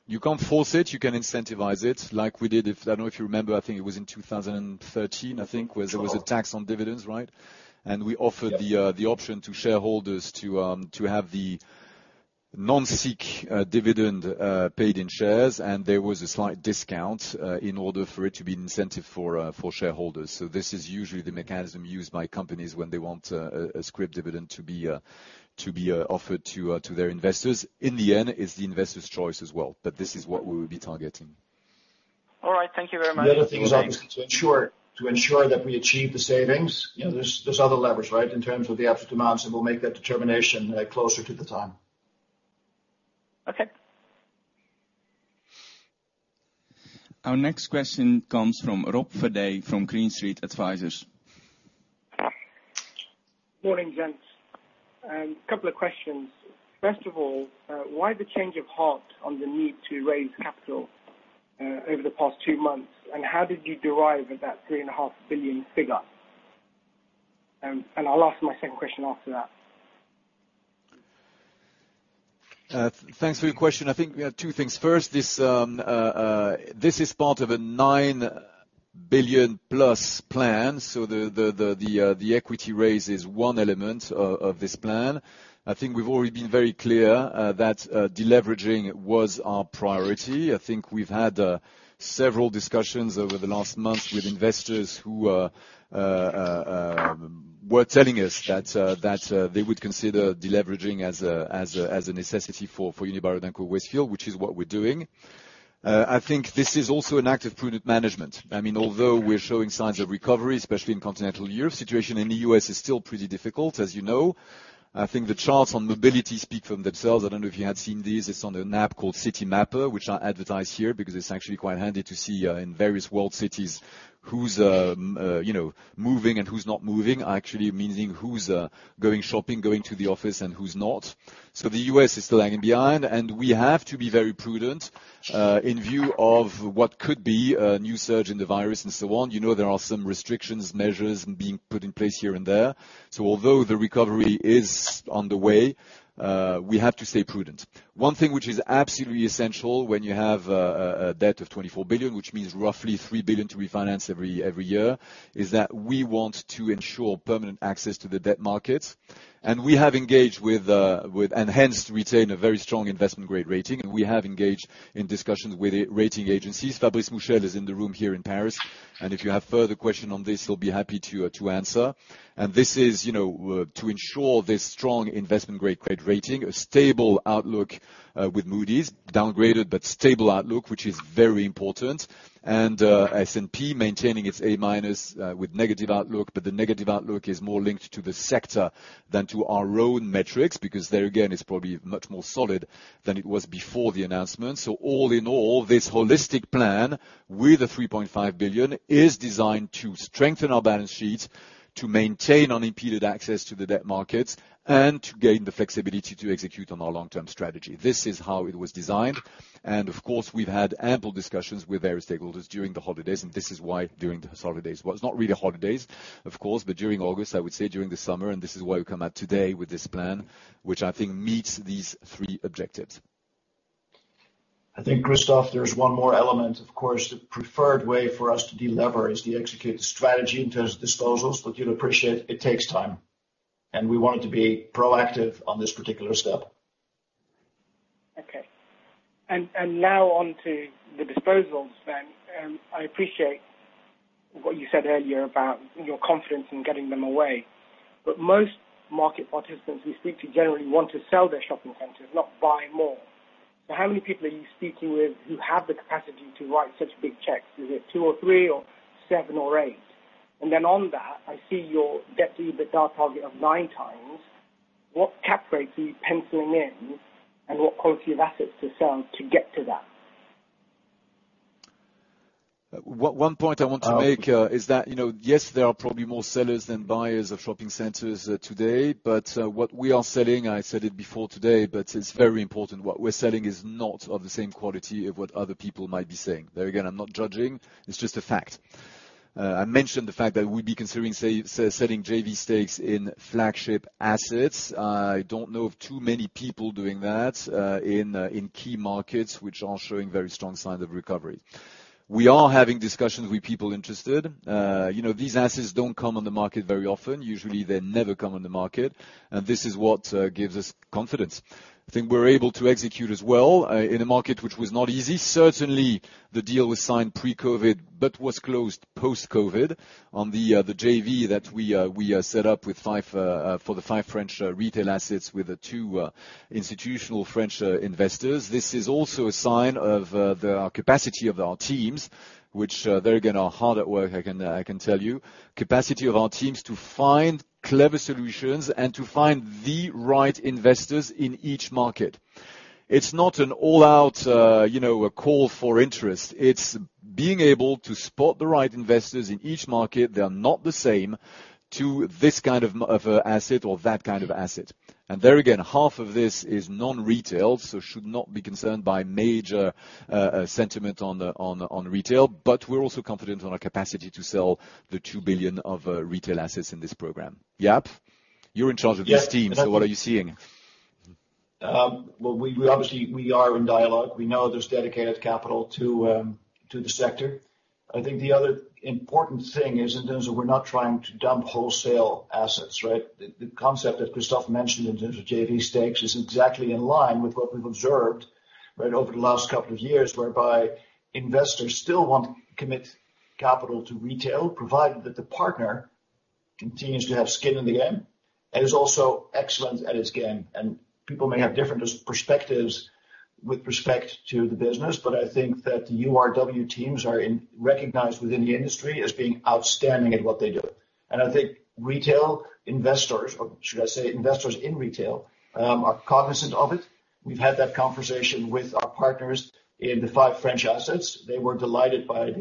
You can't force it, you can incentivize it, like we did, if, I don't know if you remember, I think it was in 2013, I think, where there was a tax on dividends, right? And we offered the option to shareholders to have the non-cash dividend paid in shares, and there was a slight discount in order for it to be an incentive for shareholders. So this is usually the mechanism used by companies when they want a scrip dividend to be offered to their investors. In the end, it's the investor's choice as well, but this is what we will be targeting.
All right, thank you very much.
The other thing is, obviously, to ensure that we achieve the savings, you know, there's other levers, right, in terms of the absolute demands, and we'll make that determination closer to the time.
Okay.
Our next question comes from Rob Virdee from Green Street Advisors.
Morning, gents. Couple of questions. First of all, why the change of heart on the need to raise capital over the past two months? And how did you arrive at that 3.5 billion figure, and I'll ask my second question after that.
Thanks for your question. I think we have two things. First, this is part of a nine billion-plus plan, so the equity raise is one element of this plan. I think we've already been very clear that deleveraging was our priority. I think we've had several discussions over the last month with investors who were telling us that they would consider deleveraging as a necessity for Unibail-Rodamco-Westfield, which is what we're doing. I think this is also an active prudent management. I mean, although we're showing signs of recovery, especially in continental Europe, situation in the U.S. is still pretty difficult, as you know. I think the charts on mobility speak for themselves. I don't know if you have seen these. It's on an app called Citymapper, which I advertise here, because it's actually quite handy to see in various world cities who's, you know, moving and who's not moving. Actually, meaning who's going shopping, going to the office, and who's not. So the U.S. is still lagging behind, and we have to be very prudent in view of what could be a new surge in the virus and so on. You know, there are some restrictions, measures being put in place here and there. So although the recovery is on the way, we have to stay prudent. One thing which is absolutely essential when you have a debt of 24 billion, which means roughly 3 billion to refinance every year, is that we want to ensure permanent access to the debt markets. And we have engaged with with... Hence, retain a very strong investment-grade rating, and we have engaged in discussions with the rating agencies. Fabrice Mouchel is in the room here in Paris, and if you have further question on this, he'll be happy to answer. This is, you know, to ensure this strong investment-grade credit rating, a stable outlook with Moody's, downgraded but stable outlook, which is very important. S&P maintaining its A-minus with negative outlook, but the negative outlook is more linked to the sector than to our own metrics, because there again, it's probably much more solid than it was before the announcement. All in all, this holistic plan, with a 3.5 billion, is designed to strengthen our balance sheets, to maintain unimpeded access to the debt markets, and to gain the flexibility to execute on our long-term strategy. This is how it was designed, and of course, we've had ample discussions with various stakeholders during the holidays, and this is why during the holidays, well, it's not really holidays, of course, but during August, I would say during the summer, and this is why we come out today with this plan, which I think meets these three objectives.
I think, Christophe, there's one more element. Of course, the preferred way for us to delever is to execute the strategy in terms of disposals, but you'll appreciate it takes time, and we wanted to be proactive on this particular step.
Okay. Now on to the disposals then. I appreciate what you said earlier about your confidence in getting them away, but most market participants we speak to generally want to sell their shopping centers, not buy more. How many people are you speaking with who have the capacity to write such big checks? Is it two or three, or seven or eight? On that, I see your debt-to-EBITDA target of nine times. What cap rate are you penciling in, and what quality of assets to sell to get to that?
One point I want to make is that, you know, yes, there are probably more sellers than buyers of shopping centers today, but what we are selling, I said it before today, but it's very important, what we're selling is not of the same quality of what other people might be selling. There, again, I'm not judging, it's just a fact. I mentioned the fact that we'd be considering selling JV stakes in flagship assets. I don't know of too many people doing that in key markets, which are showing very strong signs of recovery. We are having discussions with people interested. You know, these assets don't come on the market very often. Usually, they never come on the market, and this is what gives us confidence. I think we're able to execute as well in a market which was not easy. Certainly, the deal was signed pre-COVID, but was closed post-COVID on the JV that we set up for the five French retail assets with the two institutional French investors. This is also a sign of our capacity of our teams, which they again are hard at work. I can tell you. Capacity of our teams to find clever solutions and to find the right investors in each market. It's not an all-out, you know, a call for interest. It's being able to spot the right investors in each market, they are not the same to this kind of asset or that kind of asset. And there again, half of this is non-retail, so should not be concerned by major sentiment on the retail. But we're also confident on our capacity to sell the 2 billion of retail assets in this program. Jaap, you're in charge of this team, so what are you seeing?
Well, we obviously are in dialogue. We know there's dedicated capital to the sector. I think the other important thing is in terms of we're not trying to dump wholesale assets, right? The concept that Christophe mentioned in terms of JV stakes is exactly in line with what we've observed, right, over the last couple of years, whereby investors still want to commit capital to retail, provided that the partner continues to have skin in the game and is also excellent at his game. And people may have different perspectives with respect to the business, but I think that the URW teams are recognized within the industry as being outstanding at what they do. And I think retail investors, or should I say, investors in retail, are cognizant of it. We've had that conversation with our partners in the five French assets. They were delighted by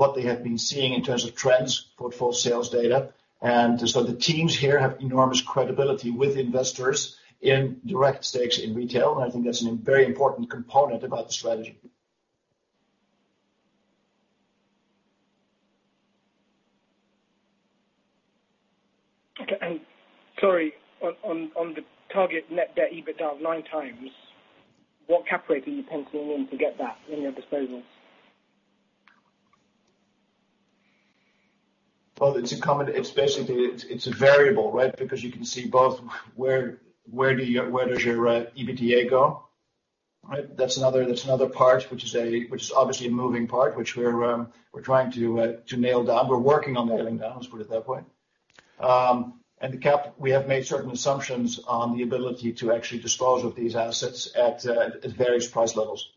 what they have been seeing in terms of trends, portfolio sales data. So the teams here have enormous credibility with investors in direct stakes in retail, and I think that's a very important component about the strategy.
Okay, and sorry, on the target net debt, EBITDA of nine times, what cap rate are you penciling in to get that in your disposals?
It's basically a variable, right? Because you can see both where your EBITDA goes, right? That's another part which is obviously a moving part, which we're trying to nail down. We're working on nailing down, let's put it that way. And the cap, we have made certain assumptions on the ability to actually dispose of these assets at various price levels.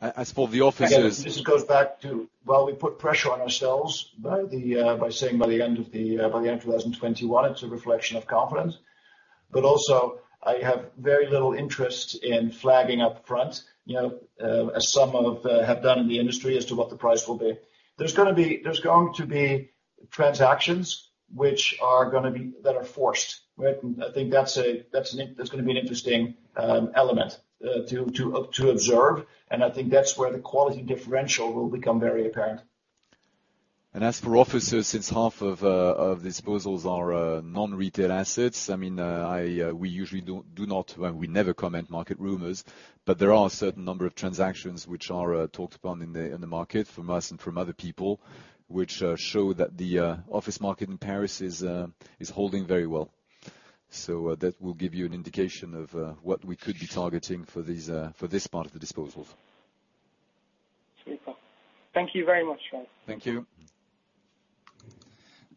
Okay.
As for the offices-
This goes back to, well, we put pressure on ourselves by saying by the end of 2021, it's a reflection of confidence. But also, I have very little interest in flagging up front, you know, as some of have done in the industry as to what the price will be. There's going to be transactions which are gonna be... That are forced, right? I think that's a, that's an in- that's gonna be an interesting element to observe, and I think that's where the quality differential will become very apparent.
And as for offices, since half of disposals are non-retail assets, I mean, we usually don't do not, well, we never comment market rumors. But there are a certain number of transactions which are talked upon in the market, from us and from other people, which show that the office market in Paris is holding very well. So that will give you an indication of what we could be targeting for this part of the disposals.
Thank you very much, guys.
Thank you.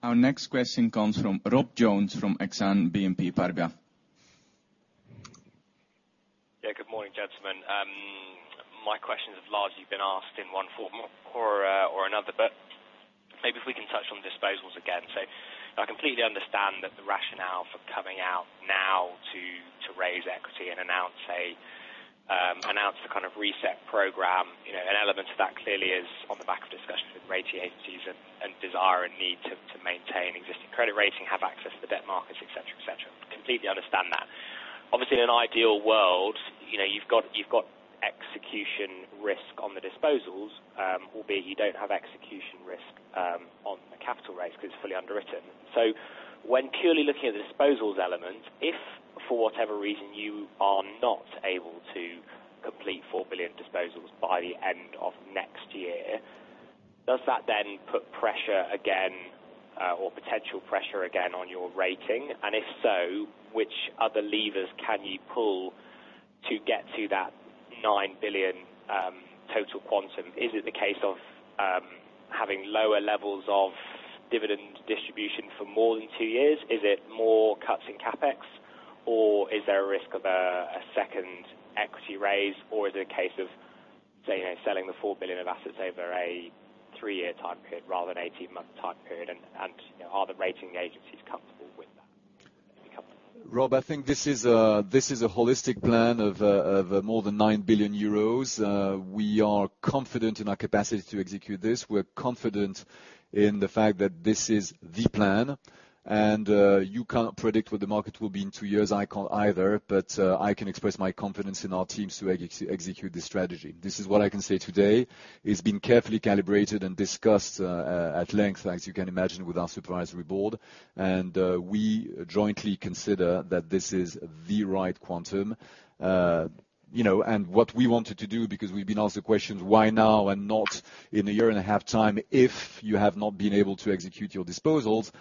Our next question comes from Rob Jones from Exane BNP Paribas.
Yeah, good morning, gentlemen. My question has largely been asked in one form or or another, but maybe if we can touch on disposals again. So I completely understand that the rationale for coming out now to to raise equity and announce a announce the kind of reset program, you know, an element of that clearly is on the back of discussions with rating agencies and and desire and need to to maintain existing credit rating, have access to the debt markets, et cetera, et cetera. Completely understand that. Obviously, in an ideal world, you know, you've got you've got execution risk on the disposals, albeit you don't have execution risk on the capital raise, because it's fully underwritten. So when purely looking at the disposals element, if, for whatever reason, you are not able to complete 4 billion disposals by the end of next year, does that then put pressure again or potential pressure again on your rating? And if so, which other levers can you pull to get to that 9 billion total quantum? Is it the case of having lower levels of dividend distribution for more than two years? Is it more cuts in CapEx, or is there a risk of a second equity raise, or is it a case of, say, selling the 4 billion of assets over a three-year time period rather than 18-month time period? And you know, are the rating agencies comfortable with that?
Rob, I think this is a holistic plan of more than 9 billion euros. We are confident in our capacity to execute this. We're confident in the fact that this is the plan, and you can't predict what the market will be in two years, I can't either, but I can express my confidence in our teams to execute this strategy. This is what I can say today. It's been carefully calibrated and discussed at length, as you can imagine, with our supervisory board, and we jointly consider that this is the right quantum. You know, and what we wanted to do, because we've been asked the questions, why now and not in a year-and-a-half time, if you have not been able to execute your disposals?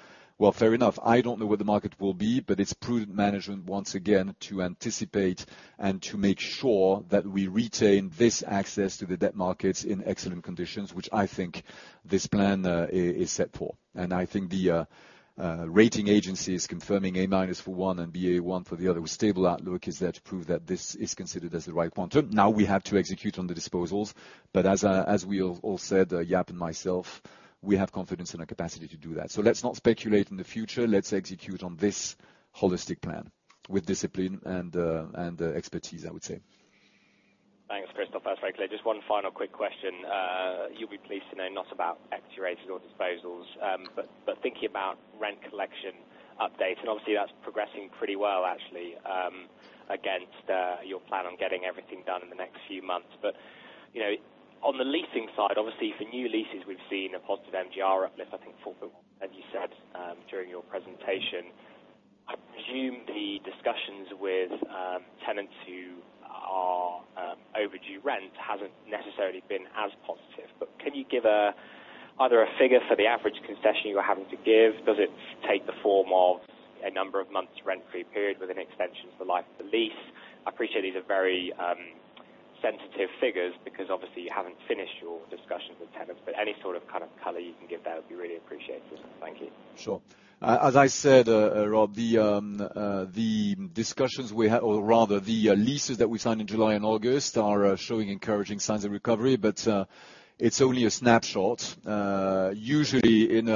Fair enough, I don't know what the market will be, but it's prudent management, once again, to anticipate and to make sure that we retain this access to the debt markets in excellent conditions, which I think this plan is set for. I think the rating agency is confirming A-minus for one and Baa1 for the other, with stable outlook, is there to prove that this is considered as the right quantum. Now, we have to execute on the disposals, but as we have all said, Jaap and myself, we have confidence in our capacity to do that. Let's not speculate in the future. Let's execute on this holistic plan with discipline and expertise, I would say.
Thanks, Christophe. That's very clear. Just one final quick question. You'll be pleased to know not about actuarials or disposals, but thinking about rent collection updates, and obviously that's progressing pretty well, actually, against your plan on getting everything done in the next few months. But, you know, on the leasing side, obviously, for new leases, we've seen a positive MGR uplift, I think, for, as you said, during your presentation. I presume the discussions with tenants who are overdue rent hasn't necessarily been as positive. But can you give either a figure for the average concession you are having to give? Does it take the form of a number of months rent-free period with an extension for life of the lease? I appreciate these are very, sensitive figures because obviously you haven't finished your discussions with tenants, but any sort of kind of color you can give there would be really appreciated. Thank you.
Sure. As I said, Rob, the discussions we had, or rather, the leases that we signed in July and August are showing encouraging signs of recovery, but it's only a snapshot. Usually, in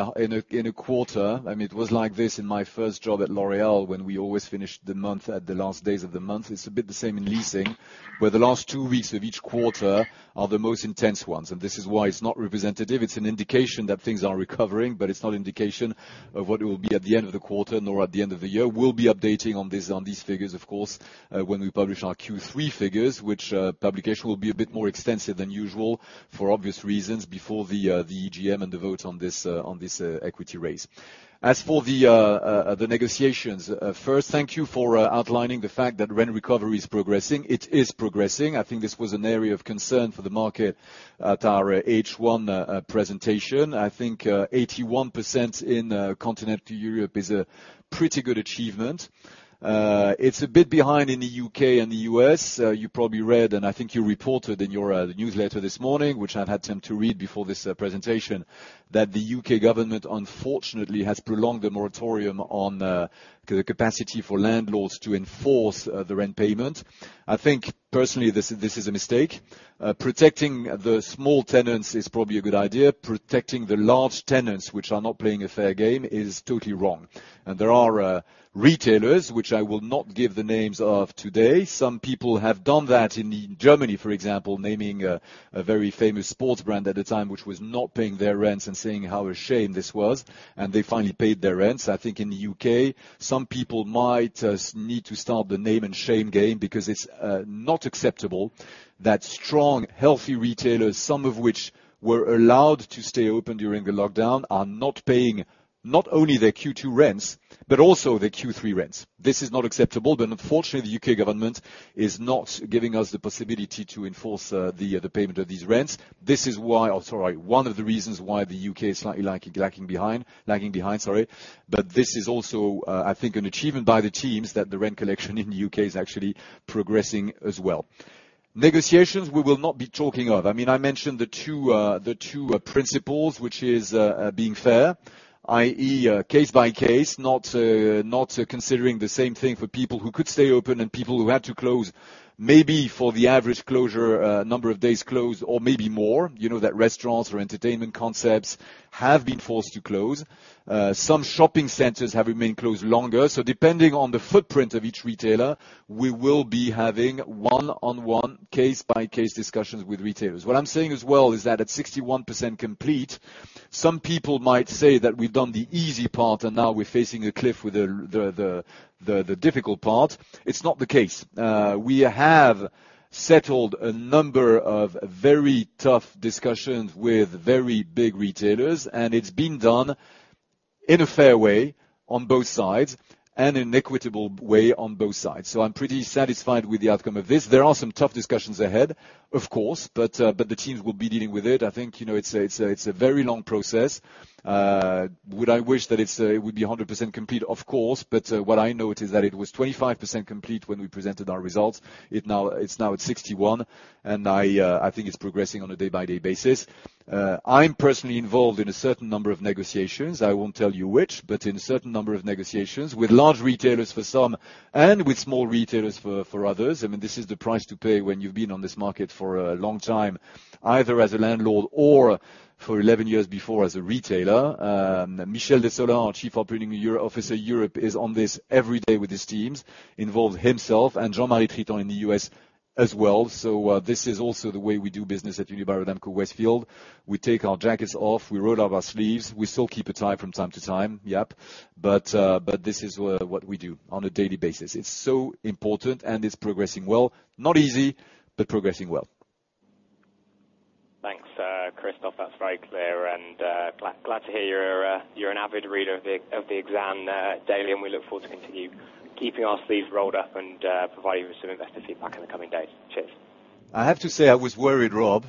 a quarter, I mean, it was like this in my first job at L'Oréal, when we always finished the month at the last days of the month. It's a bit the same in leasing, where the last two weeks of each quarter are the most intense ones, and this is why it's not representative. It's an indication that things are recovering, but it's not indication of what it will be at the end of the quarter, nor at the end of the year. We'll be updating on this, on these figures, of course, when we publish our Q3 figures, which publication will be a bit more extensive than usual for obvious reasons, before the AGM and the vote on this equity raise. As for the negotiations, first, thank you for outlining the fact that rent recovery is progressing. It is progressing. I think this was an area of concern for the market at our H1 presentation. I think 81% in continental Europe is a pretty good achievement. It's a bit behind in the U.K. and the U.S. You probably read, and I think you reported in your newsletter this morning, which I've had time to read before this presentation, that the U.K. government, unfortunately, has prolonged the moratorium on the capacity for landlords to enforce the rent payment. I think personally, this, this is a mistake. Protecting the small tenants is probably a good idea. Protecting the large tenants, which are not playing a fair game, is totally wrong. And there are retailers, which I will not give the names of today, some people have done that in Germany, for example, naming a very famous sports brand at the time, which was not paying their rents and saying how a shame this was, and they finally paid their rents. I think in the U.K., some people might need to start the name and shame game because it's not acceptable that strong, healthy retailers, some of which were allowed to stay open during the lockdown, are not paying, not only their Q2 rents, but also their Q3 rents. This is not acceptable, but unfortunately, the U.K. government is not giving us the possibility to enforce the payment of these rents. This is why one of the reasons why the U.K. is slightly lagging behind. But this is also, I think, an achievement by the teams, that the rent collection in the U.K. is actually progressing as well. Negotiations, we will not be talking of. I mean, I mentioned the two principles, which is being fair, i.e., case-by-case, not considering the same thing for people who could stay open and people who had to close, maybe for the average closure number of days closed or maybe more. You know that restaurants or entertainment concepts have been forced to close. Some shopping centers have remained closed longer, so depending on the footprint of each retailer, we will be having one-on-one, case-by-case discussions with retailers. What I'm saying as well is that at 61% complete, some people might say that we've done the easy part, and now we're facing a cliff with the difficult part. It's not the case. We have settled a number of very tough discussions with very big retailers, and it's been done in a fair way on both sides and an equitable way on both sides. So I'm pretty satisfied with the outcome of this. There are some tough discussions ahead, of course, but the teams will be dealing with it. I think, you know, it's a very long process. Would I wish that it would be 100% complete? Of course. But what I know it is that it was 25% complete when we presented our results. It's now at 61%, and I think it's progressing on a day-by-day basis. I'm personally involved in a certain number of negotiations. I won't tell you which, but in a certain number of negotiations with large retailers for some, and with small retailers for others. I mean, this is the price to pay when you've been on this market for a long time, either as a landlord or for 11 years before, as a retailer. Michel Dessolain, our Chief Operating Officer Europe, is on this every day with his teams, involved himself, and Jean-Marie Tritant in the U.S. as well. This is also the way we do business at Unibail-Rodamco-Westfield. We take our jackets off, we roll up our sleeves. We still keep a tie from time to time, yep, but this is what we do on a daily basis. It's so important, and it's progressing well. Not easy, but progressing well.
Thanks, Christophe. That's very clear, and glad to hear you're an avid reader of the Exane Daily, and we look forward to continue keeping our sleeves rolled up and providing you with some investor feedback in the coming days. Cheers.
I have to say, I was worried, Rob,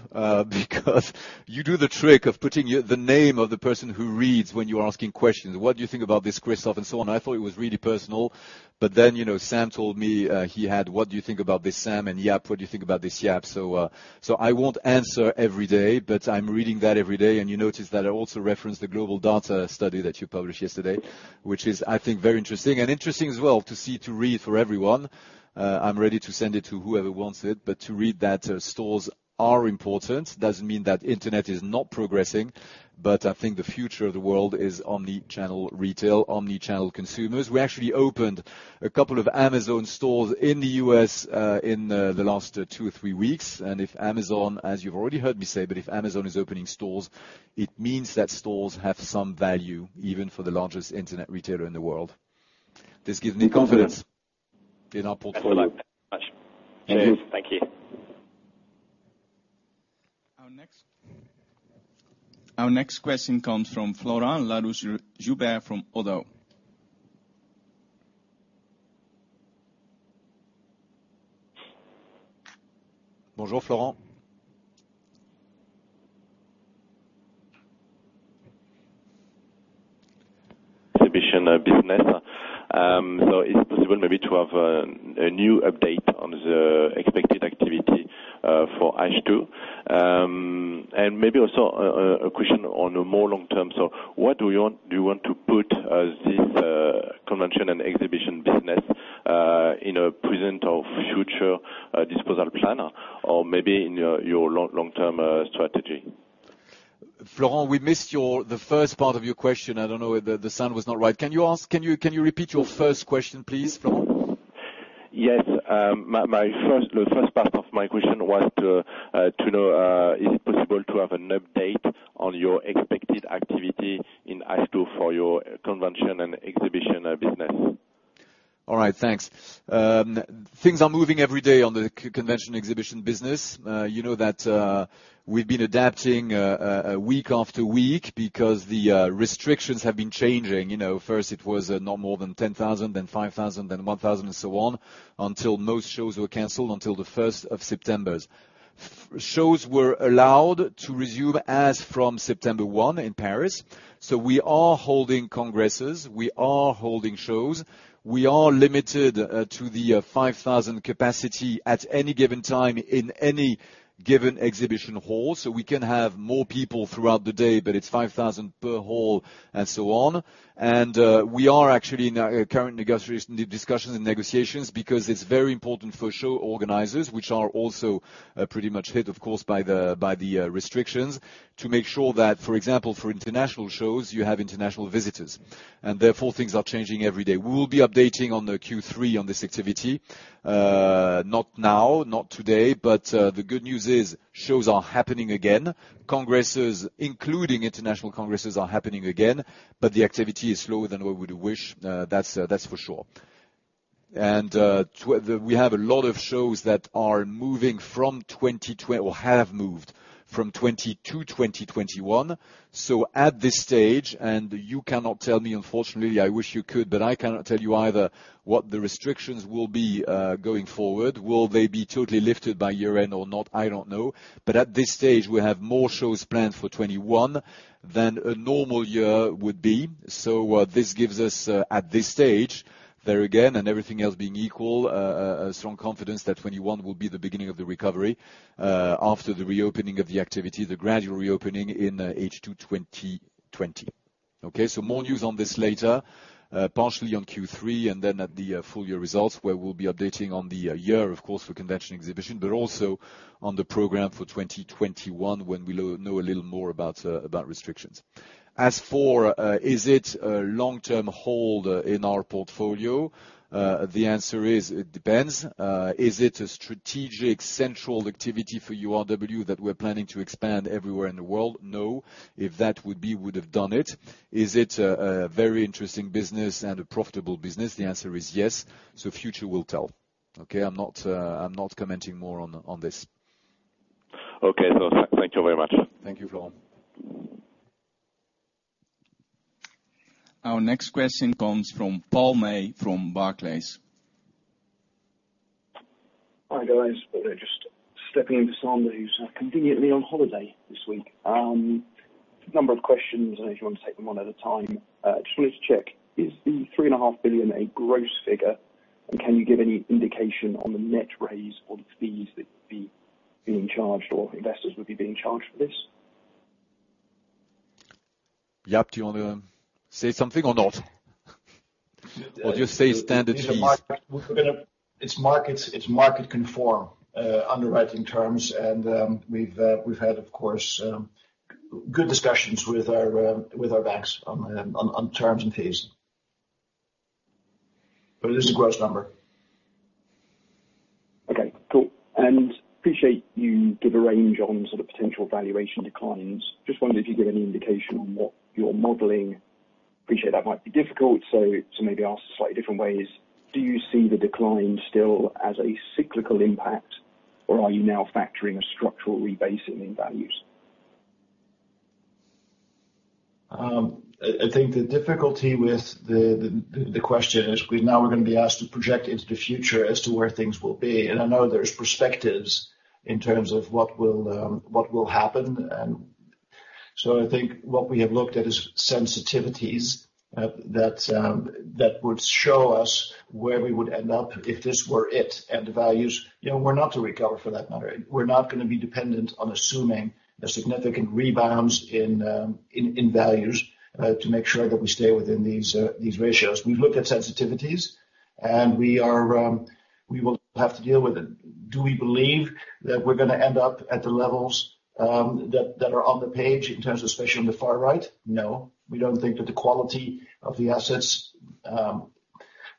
because you do the trick of putting the name of the person who reads when you are asking questions. What do you think about this, Christophe, and so on. I thought it was really personal, but then, you know, Sam told me, he had, "What do you think about this, Sam?" And Jaap, "What do you think about this, Jaap?" So, so I won't answer every day, but I'm reading that every day, and you notice that I also referenced the GlobalData study that you published yesterday, which is, I think, very interesting, and interesting as well to see, to read for everyone. I'm ready to send it to whoever wants it, but to read that stores are important doesn't mean that internet is not progressing, but I think the future of the world is omni-channel retail, omni-channel consumers. We actually opened a couple of Amazon stores in the U.S. in the last two or three weeks, and if Amazon, as you've already heard me say, but if Amazon is opening stores, it means that stores have some value, even for the largest internet retailer in the world. This gives me confidence in our portfolio.
Absolutely. Thank you very much.
Thank you.
Thank you.
Our next question comes from Florent Laroche-Joubert from Oddo.
Bonjour, Florent.
Exhibition business. So is it possible maybe to have a new update on the expected activity for H2? And maybe also a question on a more long-term. So what do you want, do you want to put this convention and exhibition business in a present or future disposal plan or maybe in your long-term strategy?
Florent, we missed your, the first part of your question. I don't know, the sound was not right. Can you repeat your first question, please, Florent?
Yes. My first, the first part of my question was to know, is it possible to have an update on your expected activity in H2 for your convention and exhibition business?
All right, thanks. Things are moving every day on the convention exhibition business. You know that we've been adapting week after week because the restrictions have been changing. You know, first it was not more than 10,000, then 5,000, then 1,000, and so on, until most shows were canceled until the first of September. Shows were allowed to resume as from September 1 in Paris, so we are holding congresses, we are holding shows. We are limited to the 5,000 capacity at any given time in any given exhibition hall. So we can have more people throughout the day, but it's 5,000 per hall, and so on. We are actually in current negotiations, discussions and negotiations, because it's very important for show organizers, which are also pretty much hit, of course, by the restrictions, to make sure that, for example, for international shows, you have international visitors, and therefore things are changing every day. We will be updating on the Q3 on this activity. Not now, not today, but the good news is shows are happening again. Congresses, including international congresses, are happening again, but the activity is slower than we would wish. That's for sure. We have a lot of shows that are moving from 2020 or have moved from 2020 to 2021. So at this stage, and you cannot tell me, unfortunately, I wish you could, but I cannot tell you either, what the restrictions will be, going forward. Will they be totally lifted by year-end or not? I don't know. But at this stage, we have more shows planned for 2021 than a normal year would be. So, this gives us, at this stage, there again, and everything else being equal, a strong confidence that 2021 will be the beginning of the recovery, after the reopening of the activity, the gradual reopening in, H2 2020. Okay, so more news on this later, partially on Q3, and then at the full year results, where we'll be updating on the year, of course, for convention exhibition, but also on the program for 2021, when we know a little more about restrictions. As for, is it a long-term hold in our portfolio? The answer is, it depends. Is it a strategic central activity for URW that we're planning to expand everywhere in the world? No. If that would be, we'd have done it. Is it a very interesting business and a profitable business? The answer is yes. So future will tell, okay? I'm not, I'm not commenting more on this.
Okay. So thank you very much.
Thank you, Florent.
Our next question comes from Paul May from Barclays.
Hi, guys. Just stepping in for Sander, who's conveniently on holiday this week. A number of questions, and if you want to take them one at a time. Just wanted to check, is the 3.5 billion a gross figure? And can you give any indication on the net raise or the fees that would be being charged, or investors would be being charged for this?
Jaap, do you want to say something or not? Or just say standard fees.
It's market conform underwriting terms, and we've had, of course, good discussions with our banks on terms and fees. But it is a gross number.
Okay, cool. And appreciate you gave a range on sort of potential valuation declines. Just wondered if you give any indication on what you're modeling. Appreciate that might be difficult, so maybe ask slightly different ways: Do you see the decline still as a cyclical impact, or are you now factoring a structural rebasing in values?
I think the difficulty with the question is now we're gonna be asked to project into the future as to where things will be. I know there's perspectives in terms of what will happen, and so I think what we have looked at is sensitivities that would show us where we would end up if this were it, and the values, you know, we're not to recover for that matter. We're not gonna be dependent on assuming a significant rebounds in values to make sure that we stay within these ratios. We've looked at sensitivities, and we will have to deal with it. Do we believe that we're gonna end up at the levels that are on the page in terms of, especially on the far right? No, we don't think that the quality of the assets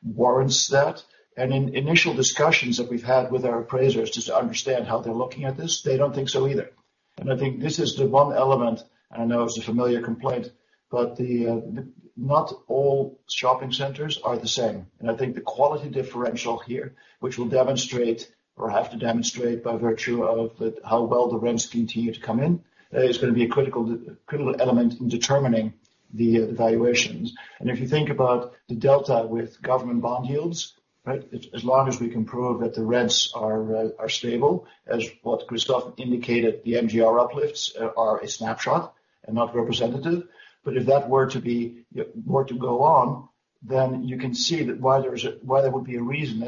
warrants that. And in initial discussions that we've had with our appraisers, just to understand how they're looking at this, they don't think so either. And I think this is the one element, and I know it's a familiar complaint, but the, the, not all shopping centers are the same. And I think the quality differential here, which will demonstrate or have to demonstrate by virtue of the, how well the rents continue to come in, is gonna be a critical, critical element in determining the, the valuations. And if you think about the delta with government bond yields, right? As long as we can prove that the rents are stable, as what Christophe indicated, the MGR uplifts are a snapshot and not representative. But if that were to go on, then you can see why there would be a reason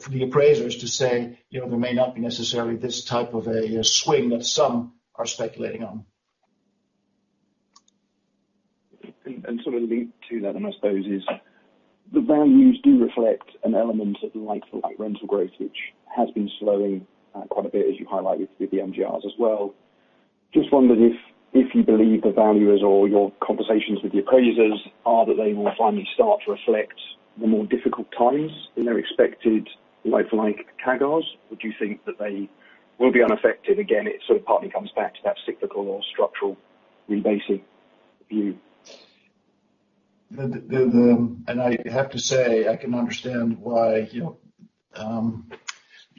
for the appraisers to say, "You know, there may not be necessarily this type of a swing that some are speculating on.
Sort of linked to that, and I suppose the values do reflect an element of like-for-like rental growth, which has been slowing quite a bit, as you highlighted through the MGRs as well. Just wondering if you believe the valuers or your conversations with the appraisers that they will finally start to reflect the more difficult times in their expected like-for-like CAGRs? Or do you think that they will be unaffected? Again, it sort of partly comes back to that cyclical or structural rebasing view.
And I have to say, I can understand why, you know,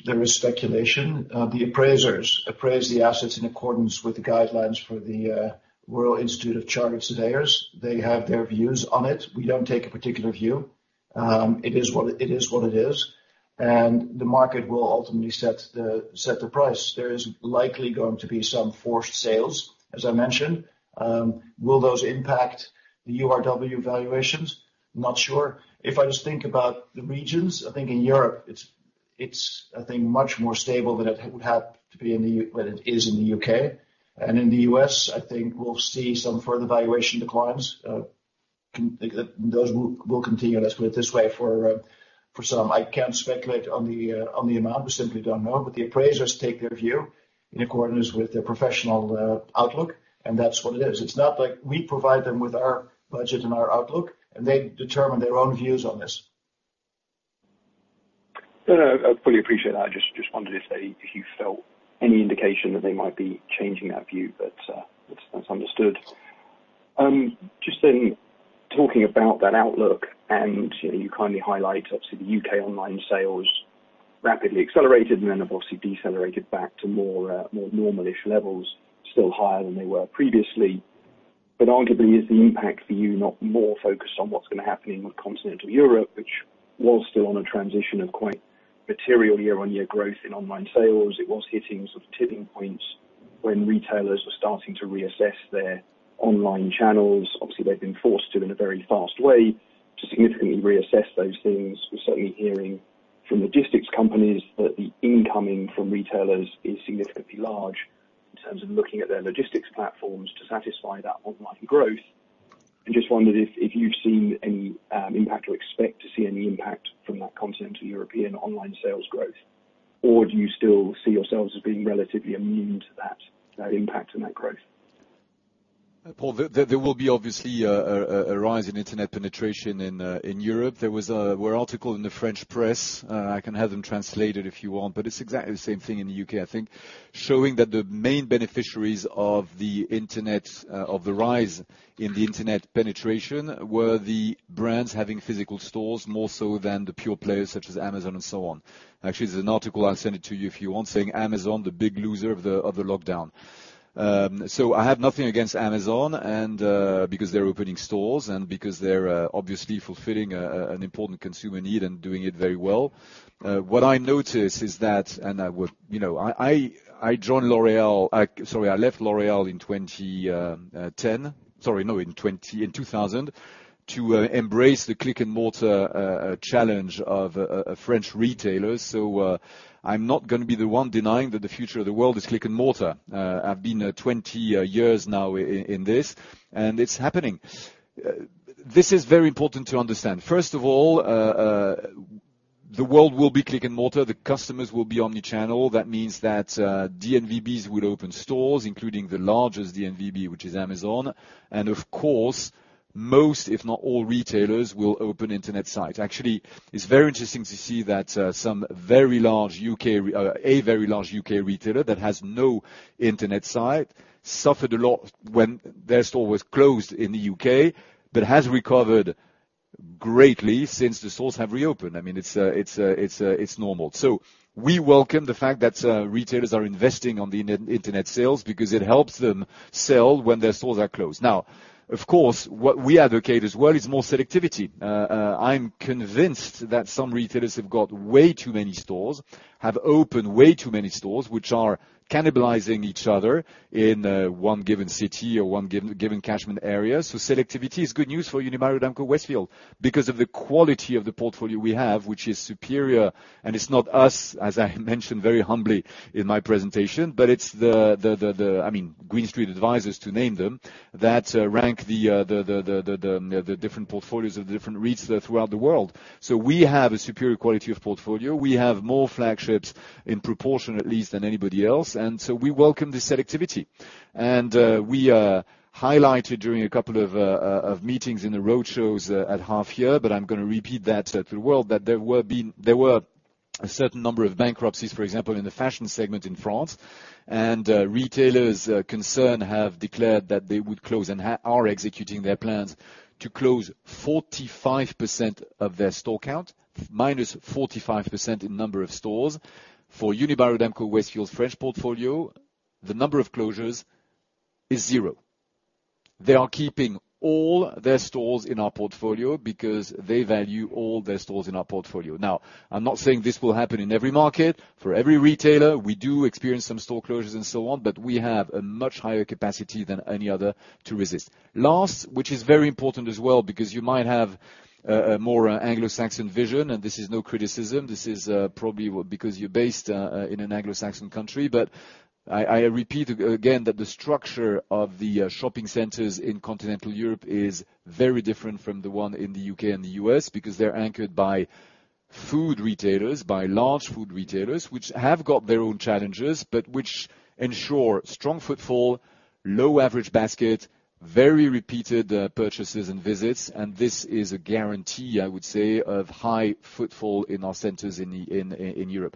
there is speculation. The appraisers appraise the assets in accordance with the guidelines for the Royal Institution of Chartered Surveyors. They have their views on it. We don't take a particular view. It is what it is, and the market will ultimately set the price. There is likely going to be some forced sales, as I mentioned. Will those impact the URW valuations? Not sure. If I just think about the regions, I think in Europe it's much more stable than it is in the U.K. And in the U.S., I think we'll see some further valuation declines. Those will continue, let's put it this way, for some. I can't speculate on the amount, we simply don't know, but the appraisers take their view in accordance with their professional outlook, and that's what it is. It's not like we provide them with our budget and our outlook, and they determine their own views on this.
No, no, I fully appreciate that. I just, just wondered if they, if you felt any indication that they might be changing that view, but, that's, that's understood. Just then talking about that outlook, and, you know, you kindly highlight, obviously, the U.K. online sales rapidly accelerated and then have obviously decelerated back to more, more normal-ish levels, still higher than they were previously. But arguably, is the impact for you not more focused on what's gonna happen in continental Europe, which was still on a transition of quite material year-on-year growth in online sales? It was hitting sort of tipping points when retailers were starting to reassess their online channels. Obviously, they've been forced to, in a very fast way, to significantly reassess those things. We're certainly hearing from logistics companies that the incoming from retailers is significantly large in terms of looking at their logistics platforms to satisfy that online growth. I just wondered if you've seen any impact or expect to see any impact from that Continental European online sales growth, or do you still see yourselves as being relatively immune to that impact and that growth?
Paul, there will be obviously a rise in internet penetration in Europe. There was an article in the French press. I can have them translated if you want, but it's exactly the same thing in the U.K., I think, showing that the main beneficiaries of the rise in the internet penetration were the brands having physical stores, more so than the pure players such as Amazon and so on. Actually, there's an article. I'll send it to you if you want, saying, "Amazon, the big loser of the lockdown." So I have nothing against Amazon, and because they're opening stores and because they're obviously fulfilling an important consumer need and doing it very well. What I noticed is that... And I would, you know, I joined L'Oréal, sorry, I left L'Oréal in 2010. Sorry, no, in 2000 to embrace the click-and-mortar challenge of French retailers. So, I'm not gonna be the one denying that the future of the world is click-and-mortar. I've been 20 years now in this, and it's happening. This is very important to understand. First of all, the world will be click-and-mortar. The customers will be omni-channel. That means that DNVBs will open stores, including the largest DNVB, which is Amazon. And of course, most, if not all retailers, will open internet sites. Actually, it's very interesting to see that some very large U.K. retailer that has no internet site suffered a lot when their store was closed in the U.K., but has recovered greatly since the stores have reopened. I mean, it's normal. So we welcome the fact that retailers are investing on the internet sales, because it helps them sell when their stores are closed. Now, of course, what we advocate as well is more selectivity. I'm convinced that some retailers have got way too many stores, have opened way too many stores, which are cannibalizing each other in one given city or one given catchment area. So selectivity is good news for Unibail-Rodamco-Westfield, because of the quality of the portfolio we have, which is superior. It's not us, as I mentioned very humbly in my presentation, but it's, I mean, Green Street Advisors, to name them, that the different portfolios of the different REITs throughout the world. We have a superior quality of portfolio. We have more flagships, in proportion at least, than anybody else, and so we welcome this selectivity. We highlighted during a couple of meetings in the roadshows at half year, but I'm gonna repeat that to the world, that there were a certain number of bankruptcies, for example, in the fashion segment in France, and retailers concerned have declared that they would close and are executing their plans to close 45% of their store count, -45% in number of stores. For Unibail-Rodamco-Westfield's French portfolio, the number of closures is zero. They are keeping all their stores in our portfolio because they value all their stores in our portfolio. Now, I'm not saying this will happen in every market for every retailer. We do experience some store closures and so on, but we have a much higher capacity than any other to resist. Last, which is very important as well, because you might have a more Anglo-Saxon vision, and this is no criticism, this is probably because you're based in an Anglo-Saxon country. But I repeat again, that the structure of the shopping centers in continental Europe is very different from the one in the U.K. and the U.S., because they're anchored by food retailers, by large food retailers, which have got their own challenges, but which ensure strong footfall, low average basket, very repeated purchases and visits, and this is a guarantee, I would say, of high footfall in our centers in Europe.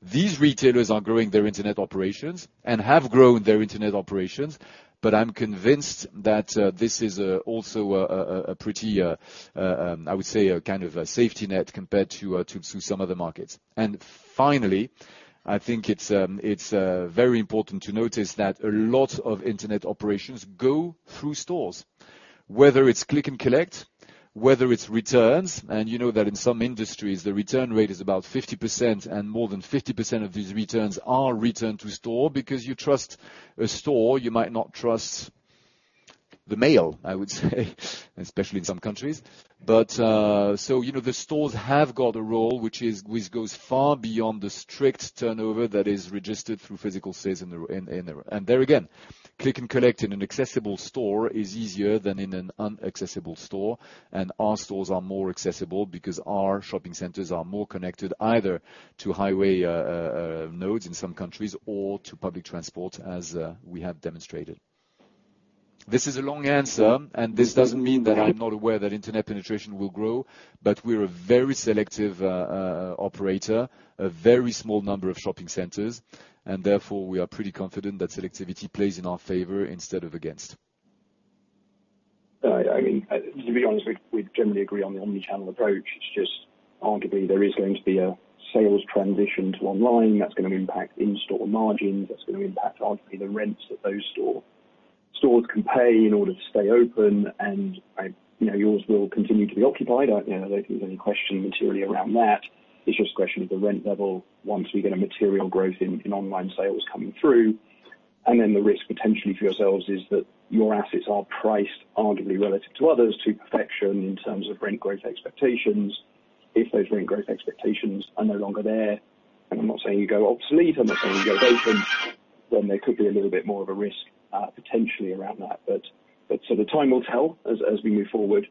These retailers are growing their internet operations and have grown their internet operations, but I'm convinced that this is also a pretty, I would say, a kind of a safety net compared to some other markets. And finally, I think it's very important to notice that a lot of internet operations go through stores, whether it's click and collect, whether it's returns, and you know that in some industries, the return rate is about 50%, and more than 50% of these returns are returned to store because you trust a store, you might not trust the mail, I would say, especially in some countries. But so, you know, the stores have got a role which goes far beyond the strict turnover that is registered through physical sales in the and there, again, click and collect in an accessible store is easier than in an inaccessible store, and our stores are more accessible because our shopping centers are more connected, either to highway nodes in some countries or to public transport, as we have demonstrated. This is a long answer, and this doesn't mean that I'm not aware that internet penetration will grow, but we're a very selective operator, a very small number of shopping centers, and therefore, we are pretty confident that selectivity plays in our favor instead of against.
I mean, to be honest, we generally agree on the omnichannel approach. It's just arguably there is going to be a sales transition to online that's going to impact in-store margins, that's going to impact arguably the rents that those stores can pay in order to stay open. You know, yours will continue to be occupied. You know, I don't think there's any question materially around that. It's just a question of the rent level once we get a material growth in online sales coming through. Then the risk potentially for yourselves is that your assets are priced arguably relative to others to perfection, in terms of rent growth expectations. If those rent growth expectations are no longer there, and I'm not saying you go obsolete, I'm not saying you go vacant, then there could be a little bit more of a risk potentially around that. But so the time will tell as we move forward.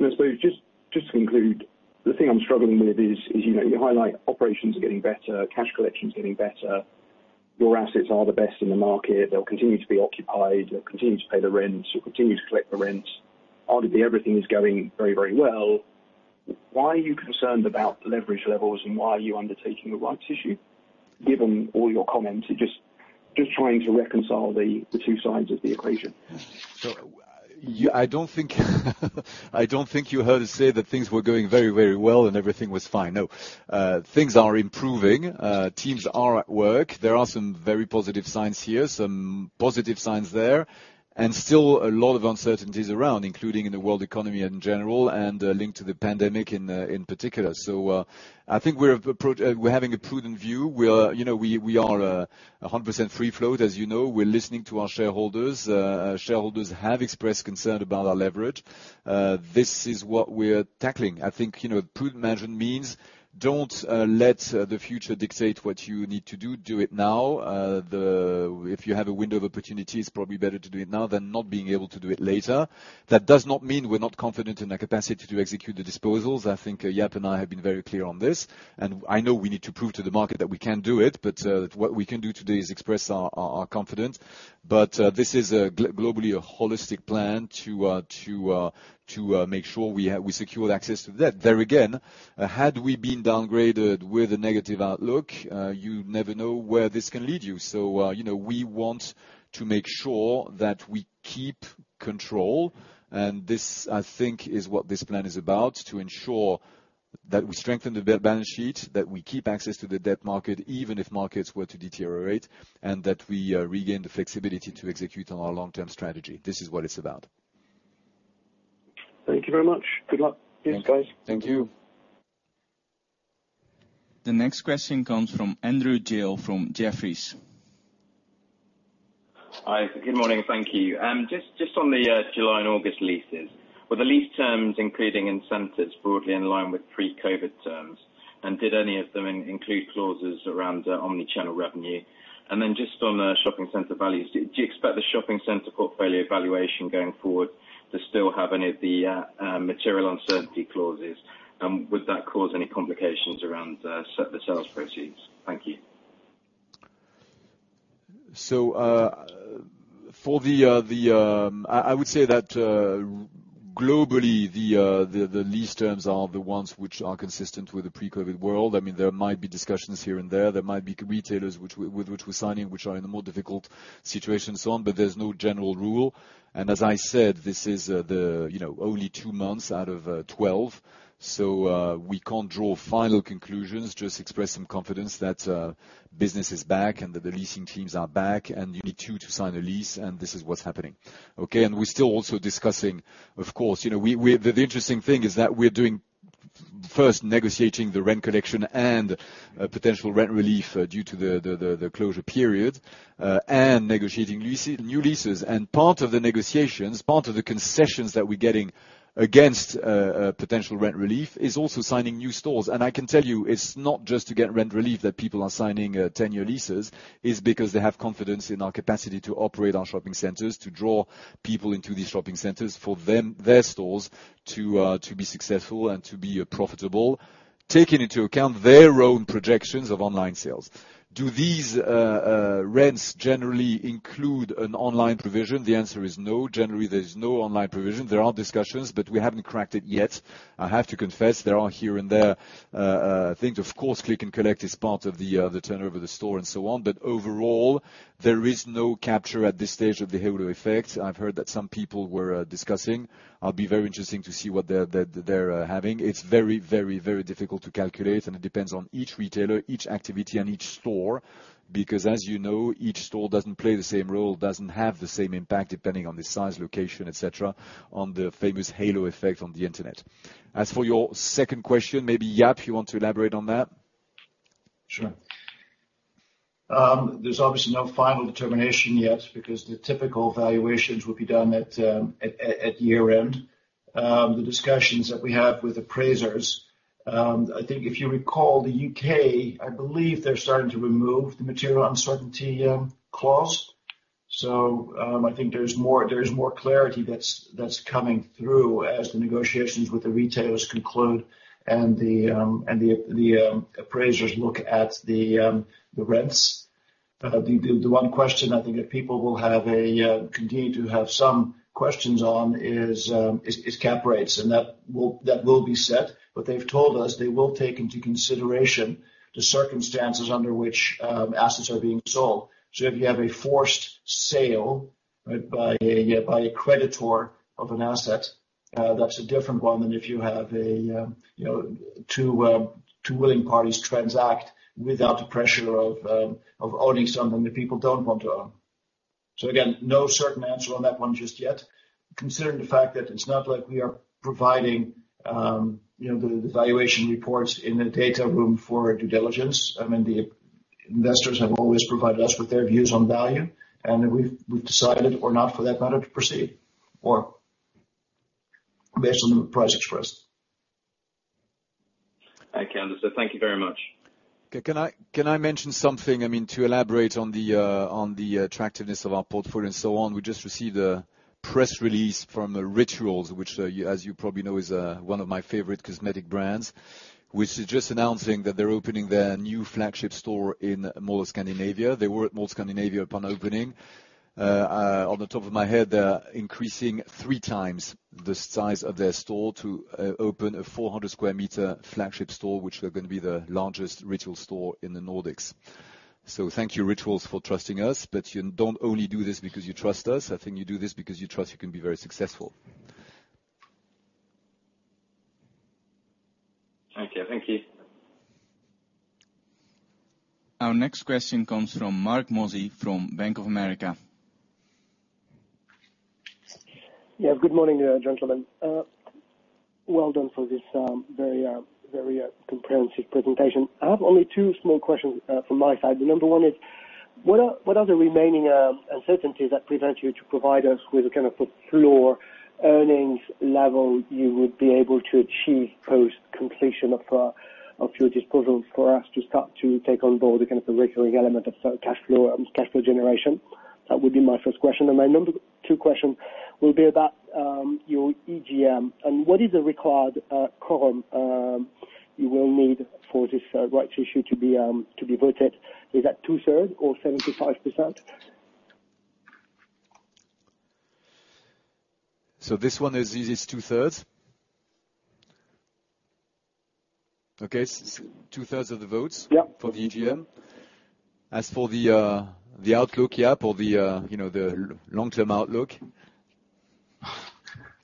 I suppose just to conclude, the thing I'm struggling with is you know, you highlight operations are getting better, cash collection is getting better, your assets are the best in the market, they'll continue to be occupied, they'll continue to pay the rents, you'll continue to collect the rents. Arguably, everything is going very, very well. Why are you concerned about leverage levels? And why are you undertaking the rights issue, given all your comments? Just trying to reconcile the two sides of the equation.
So, I don't think, I don't think you heard us say that things were going very, very well and everything was fine. No. Things are improving. Teams are at work. There are some very positive signs here, some positive signs there, and still a lot of uncertainties around, including in the world economy in general, and linked to the pandemic in particular. So, I think we're having a prudent view. We are, you know, we are 100% free float, as you know. We're listening to our shareholders. Shareholders have expressed concern about our leverage. This is what we're tackling. I think, you know, prudent management means don't let the future dictate what you need to do. Do it now. The... If you have a window of opportunity, it's probably better to do it now than not being able to do it later. That does not mean we're not confident in our capacity to execute the disposals. I think Jaap and I have been very clear on this, and I know we need to prove to the market that we can do it, but what we can do today is express our confidence. But this is globally a holistic plan to make sure we secure access to that. There, again, had we been downgraded with a negative outlook, you never know where this can lead you. You know, we want to make sure that we keep control, and this, I think, is what this plan is about, to ensure that we strengthen the balance sheet, that we keep access to the debt market, even if markets were to deteriorate, and that we regain the flexibility to execute on our long-term strategy. This is what it's about.
Thank you very much. Good luck. Cheers, guys.
Thank you.
The next question comes from Andrew Gill from Jefferies.
Hi, good morning. Thank you. Just on the July and August leases, were the lease terms, including incentives, broadly in line with pre-COVID terms? And did any of them include clauses around omnichannel revenue? And then just on the shopping center values, do you expect the shopping center portfolio valuation going forward to still have any of the material uncertainty clauses? And would that cause any complications around the sales proceeds? Thank you.
So, I would say that globally the lease terms are the ones which are consistent with the pre-COVID world. I mean, there might be discussions here and there. There might be retailers with which we're signing which are in a more difficult situation, so on, but there's no general rule. And as I said, this is, you know, only two months out of twelve, so we can't draw final conclusions, just express some confidence that business is back, and that the leasing teams are back, and you need two to sign a lease, and this is what's happening. Okay, and we're still also discussing, of course, you know, we. The interesting thing is that we're doing pretty-... First, negotiating the rent collection and potential rent relief due to the closure period and negotiating leases, new leases. Part of the negotiations, part of the concessions that we're getting against potential rent relief, is also signing new stores. I can tell you, it's not just to get rent relief that people are signing ten-year leases. It's because they have confidence in our capacity to operate our shopping centers, to draw people into these shopping centers for them, their stores to be successful and to be profitable, taking into account their own projections of online sales. Do these rents generally include an online provision? The answer is no. Generally, there's no online provision. There are discussions, but we haven't cracked it yet, I have to confess. There are here and there things of course, click and collect is part of the, the turnover of the store, and so on. But overall, there is no capture at this stage of the halo effect. I've heard that some people were discussing. It'll be very interesting to see what they're having. It's very, very, very difficult to calculate, and it depends on each retailer, each activity, and each store. Because as you know, each store doesn't play the same role, doesn't have the same impact, depending on the size, location, et cetera, on the famous halo effect on the internet. As for your second question, maybe Jaap, you want to elaborate on that?
Sure. There's obviously no final determination yet because the typical valuations will be done at year-end. The discussions that we have with appraisers, I think if you recall, the U.K., I believe they're starting to remove the material uncertainty clause. So, I think there's more clarity that's coming through as the negotiations with the retailers conclude and the appraisers look at the rents. The one question I think that people will have and continue to have some questions on is cap rates, and that will be set. But they've told us they will take into consideration the circumstances under which assets are being sold. So if you have a forced sale, right, by a creditor of an asset, that's a different one than if you have a, you know, two willing parties transact without the pressure of owning something that people don't want to own. So again, no certain answer on that one just yet. Considering the fact that it's not like we are providing, you know, the valuation reports in the data room for due diligence, I mean, the investors have always provided us with their views on value, and we've decided, or not, for that matter, to proceed or based on the price expressed.
I understand. Thank you very much.
Okay, can I mention something? I mean, to elaborate on the attractiveness of our portfolio and so on, we just received a press release from Rituals, which as you probably know is one of my favorite cosmetic brands, which is just announcing that they're opening their new flagship store in Mall of Scandinavia. They were at Mall of Scandinavia upon opening. On the top of my head, they're increasing three times the size of their store to open a 400 square meter flagship store, which is gonna be the largest Rituals store in the Nordics. So thank you, Rituals, for trusting us, but you don't only do this because you trust us. I think you do this because you trust you can be very successful.
Thank you. Thank you. Our next question comes from Marc Mozzi from Bank of America.
Yeah, good morning, gentlemen. Well done for this very comprehensive presentation. I have only two small questions from my side. The number one is, what are the remaining uncertainties that prevent you to provide us with a kind of a floor earnings level you would be able to achieve post-completion of your disposals for us to start to take on board the kind of the recurring element of cash flow generation? That would be my first question. And my number two question will be about your EGM, and what is the required quorum you will need for this rights issue to be voted? Is that two-thirds or 75%?
This one is, it is two-thirds. Okay, two-thirds of the votes.
Yeah.
For the EGM. As for the outlook, yeah, for the, you know, the long-term outlook,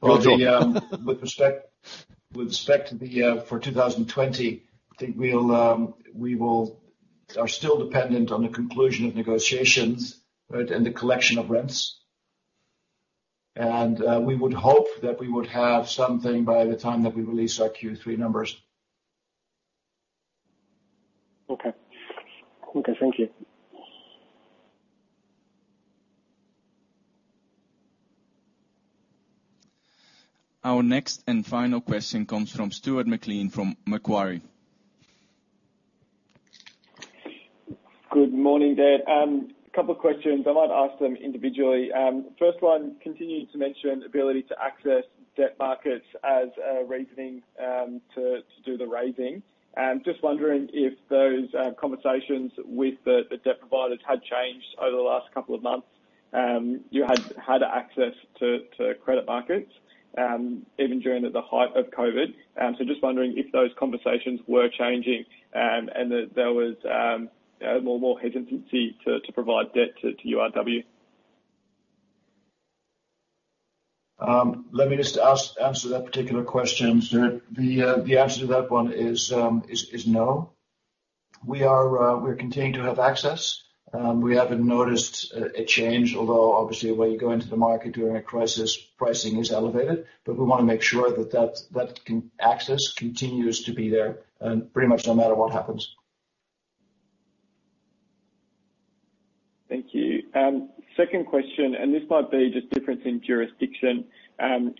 well done.
With respect to the for 2020, I think we are still dependent on the conclusion of negotiations, right, and the collection of rents, and we would hope that we would have something by the time that we release our Q3 numbers.
Okay. Okay, thank you.
Our next and final question comes from Stuart McLean, from Macquarie.
Good morning. A couple of questions. I might ask them individually. First one, continuing to mention ability to access debt markets as a reasoning to do the raising. Just wondering if those conversations with the debt providers had changed over the last couple of months. You had access to credit markets even during the height of COVID. So just wondering if those conversations were changing and that there was you know more hesitancy to provide debt to URW?
Let me just ask, answer that particular question. The answer to that one is no. We are, we're continuing to have access. We haven't noticed a change, although obviously when you go into the market during a crisis, pricing is elevated. But we wanna make sure that that access continues to be there, and pretty much no matter what happens.
Thank you. Second question, and this might be just difference in jurisdiction.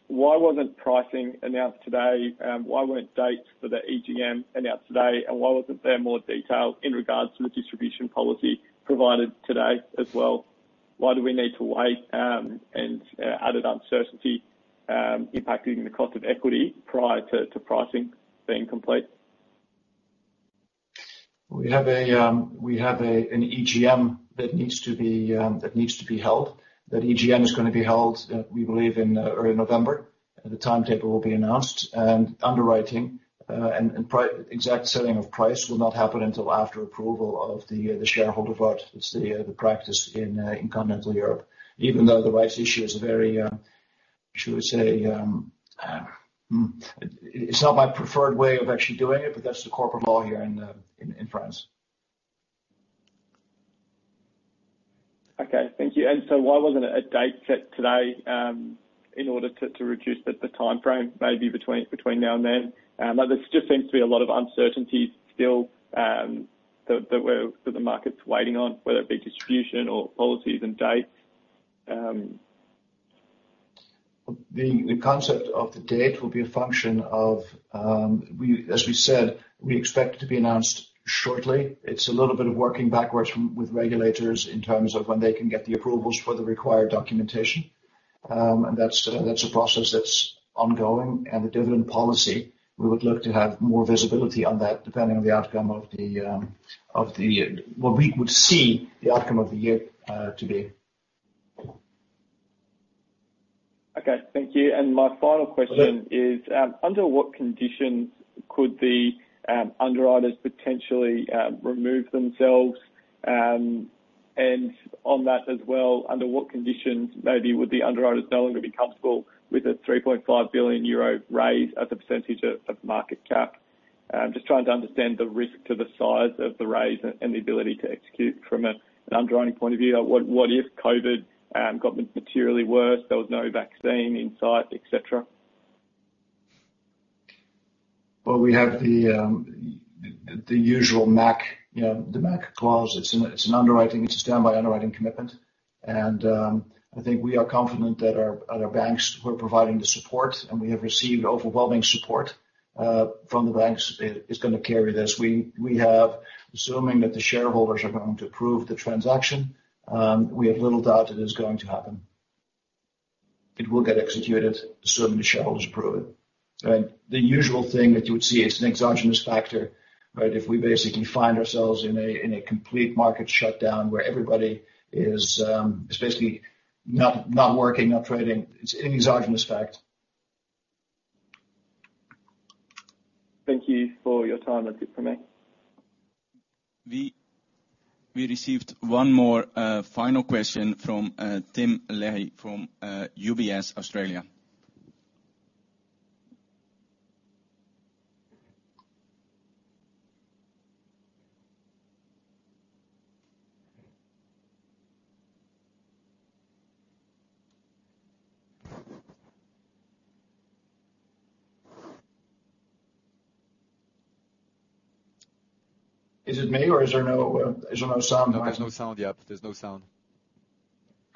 Why wasn't pricing announced today? Why weren't dates for the EGM announced today? And why wasn't there more detail in regards to the distribution policy provided today as well? Why do we need to wait, and added uncertainty, impacting the cost of equity prior to pricing being complete?
We have an EGM that needs to be held. That EGM is gonna be held, we believe in early November, the timetable will be announced and underwriting and the exact selling price will not happen until after approval of the shareholder vote. It's the practice in continental Europe, even though the rights issue is a very, should we say, it's not my preferred way of actually doing it, but that's the corporate law here in France.
Okay, thank you. And so why wasn't a date set today, in order to reduce the timeframe, maybe between now and then? There just seems to be a lot of uncertainty still, that the market's waiting on, whether it be distribution or policies and dates.
The concept of the date will be a function of, as we said, we expect it to be announced shortly. It's a little bit of working backwards with regulators in terms of when they can get the approvals for the required documentation. That's a process that's ongoing. The dividend policy, we would look to have more visibility on that, depending on the outcome of the year, what we would see the outcome of the year to be.
Okay, thank you. And my final question is under what conditions could the underwriters potentially remove themselves? And on that as well, under what conditions maybe would the underwriters no longer be comfortable with a 3.5 billion euro raise as a percentage of market cap? Just trying to understand the risk to the size of the raise and the ability to execute from an underwriting point of view. What if COVID got materially worse, there was no vaccine in sight, et cetera?
Well, we have the usual MAC, you know, the MAC clause. It's an underwriting, it's a standby underwriting commitment. And I think we are confident that our banks who are providing the support, and we have received overwhelming support from the banks, it is gonna carry this. We have, assuming that the shareholders are going to approve the transaction, we have little doubt it is going to happen. It will get executed, assuming the shareholders approve it. And the usual thing that you would see, it's an exogenous factor, right? If we basically find ourselves in a complete market shutdown where everybody is basically not working, not trading, it's an exogenous fact.
Thank you for your time. That's it for me.
We received one more final question from Tim Leahy from UBS Australia.
Is it me, or is there no sound?
No, there's no sound, yeah. There's no sound.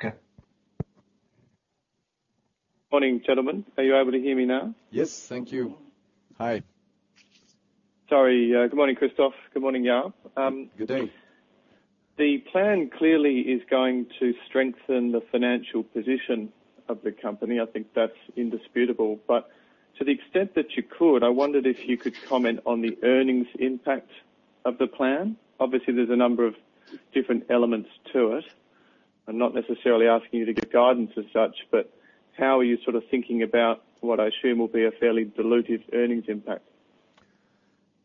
Okay.
Morning, gentlemen, are you able to hear me now?
Yes, thank you. Hi.
Sorry, good morning, Christophe. Good morning, Jaap.
Good day.
The plan clearly is going to strengthen the financial position of the company, I think that's indisputable. But to the extent that you could, I wondered if you could comment on the earnings impact of the plan. Obviously, there's a number of different elements to it. I'm not necessarily asking you to give guidance as such, but how are you sort of thinking about what I assume will be a fairly dilutive earnings impact?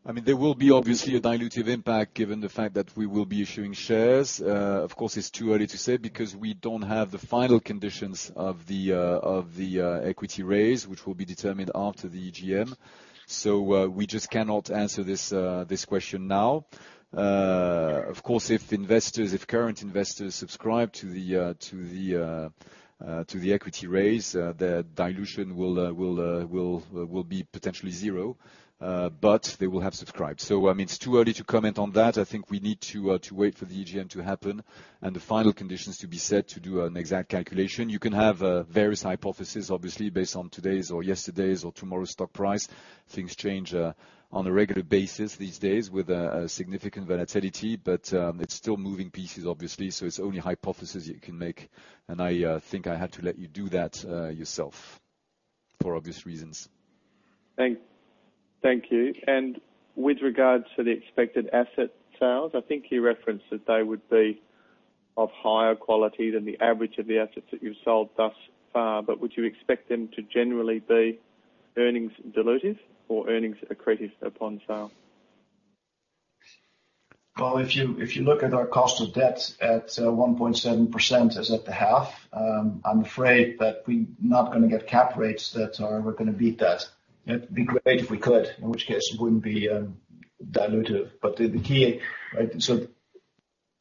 I mean, there will be obviously a dilutive impact, given the fact that we will be issuing shares. Of course, it's too early to say because we don't have the final conditions of the equity raise, which will be determined after the EGM. So, we just cannot answer this question now. Of course, if investors, if current investors subscribe to the equity raise, the dilution will be potentially zero, but they will have subscribed. So, I mean, it's too early to comment on that. I think we need to wait for the EGM to happen and the final conditions to be set to do an exact calculation. You can have various hypotheses, obviously, based on today's or yesterday's or tomorrow's stock price. Things change on a regular basis these days with a significant volatility. But it's still moving pieces, obviously, so it's only hypotheses you can make, and I think I had to let you do that yourself for obvious reasons.
Thank you. And with regards to the expected asset sales, I think you referenced that they would be of higher quality than the average of the assets that you've sold thus far, but would you expect them to generally be earnings dilutive or earnings accretive upon sale?
If you look at our cost of debt at 1.7% as at the half, I'm afraid that we're not gonna get cap rates that are gonna beat that. It'd be great if we could, in which case it wouldn't be dilutive. But the key, right, so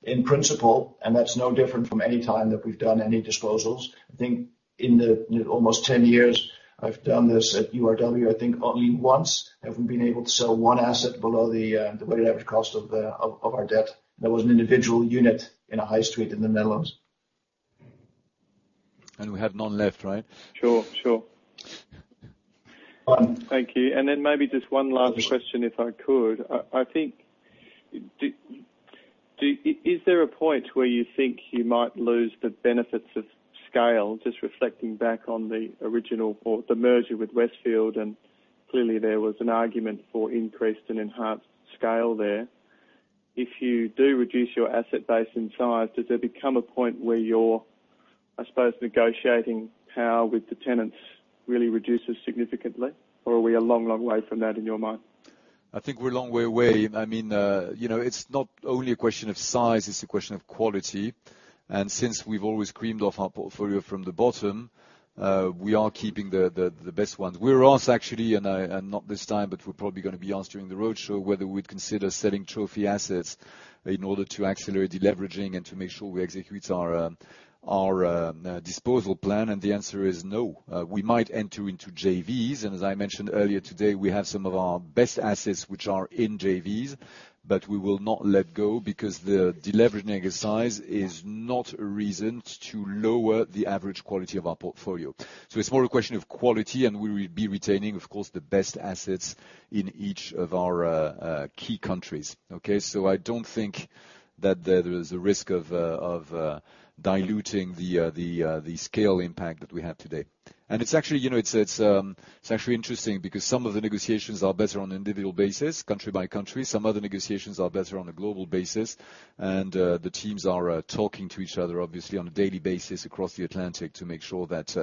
in principle, and that's no different from any time that we've done any disposals, I think in the, you know, almost 10 years I've done this at URW, I think only once have we been able to sell one asset below the weighted average cost of our debt. That was an individual unit in a high street in the Netherlands.
And we have none left, right?
Sure, sure.
Thank you. And then maybe just one last question, if I could. I think, is there a point where you think you might lose the benefits of scale, just reflecting back on the original or the merger with Westfield, and clearly there was an argument for increased and enhanced scale there. If you do reduce your asset base in size, does there become a point where your, I suppose, negotiating power with the tenants really reduces significantly, or are we a long, long way from that, in your mind?
I think we're a long way away. I mean, you know, it's not only a question of size, it's a question of quality, and since we've always creamed off our portfolio from the bottom, we are keeping the best ones. We were asked, actually, and not this time, but we're probably gonna be asked during the roadshow, whether we'd consider selling trophy assets in order to accelerate deleveraging and to make sure we execute our disposal plan, and the answer is no. We might enter into JVs, and as I mentioned earlier today, we have some of our best assets which are in JVs, but we will not let go, because the deleveraging exercise is not a reason to lower the average quality of our portfolio. It's more a question of quality, and we will be retaining, of course, the best assets in each of our key countries, okay? I don't think that there is a risk of diluting the scale impact that we have today. It's actually, you know, it's actually interesting, because some of the negotiations are better on an individual basis, country by country. Some other negotiations are better on a global basis. The teams are talking to each other, obviously, on a daily basis across the Atlantic to make sure that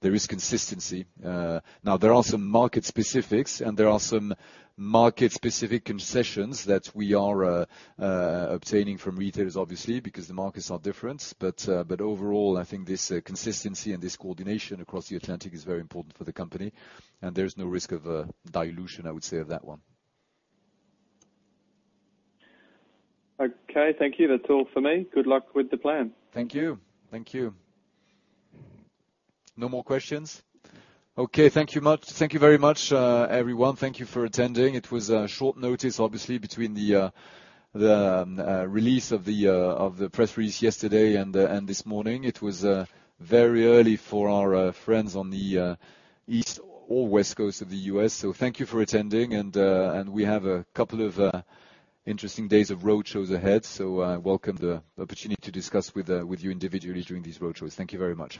there is consistency. Now, there are some market specifics, and there are some market-specific concessions that we are obtaining from retailers, obviously, because the markets are different. But overall, I think this consistency and this coordination across the Atlantic is very important for the company, and there's no risk of dilution, I would say, of that one.
Okay. Thank you. That's all for me. Good luck with the plan.
Thank you. Thank you. No more questions? Okay, thank you very much, everyone. Thank you for attending. It was short notice, obviously, between the release of the press release yesterday and this morning. It was very early for our friends on the East or West Coast of the U.S., so thank you for attending and we have a couple of interesting days of roadshows ahead, so I welcome the opportunity to discuss with you individually during these roadshows. Thank you very much.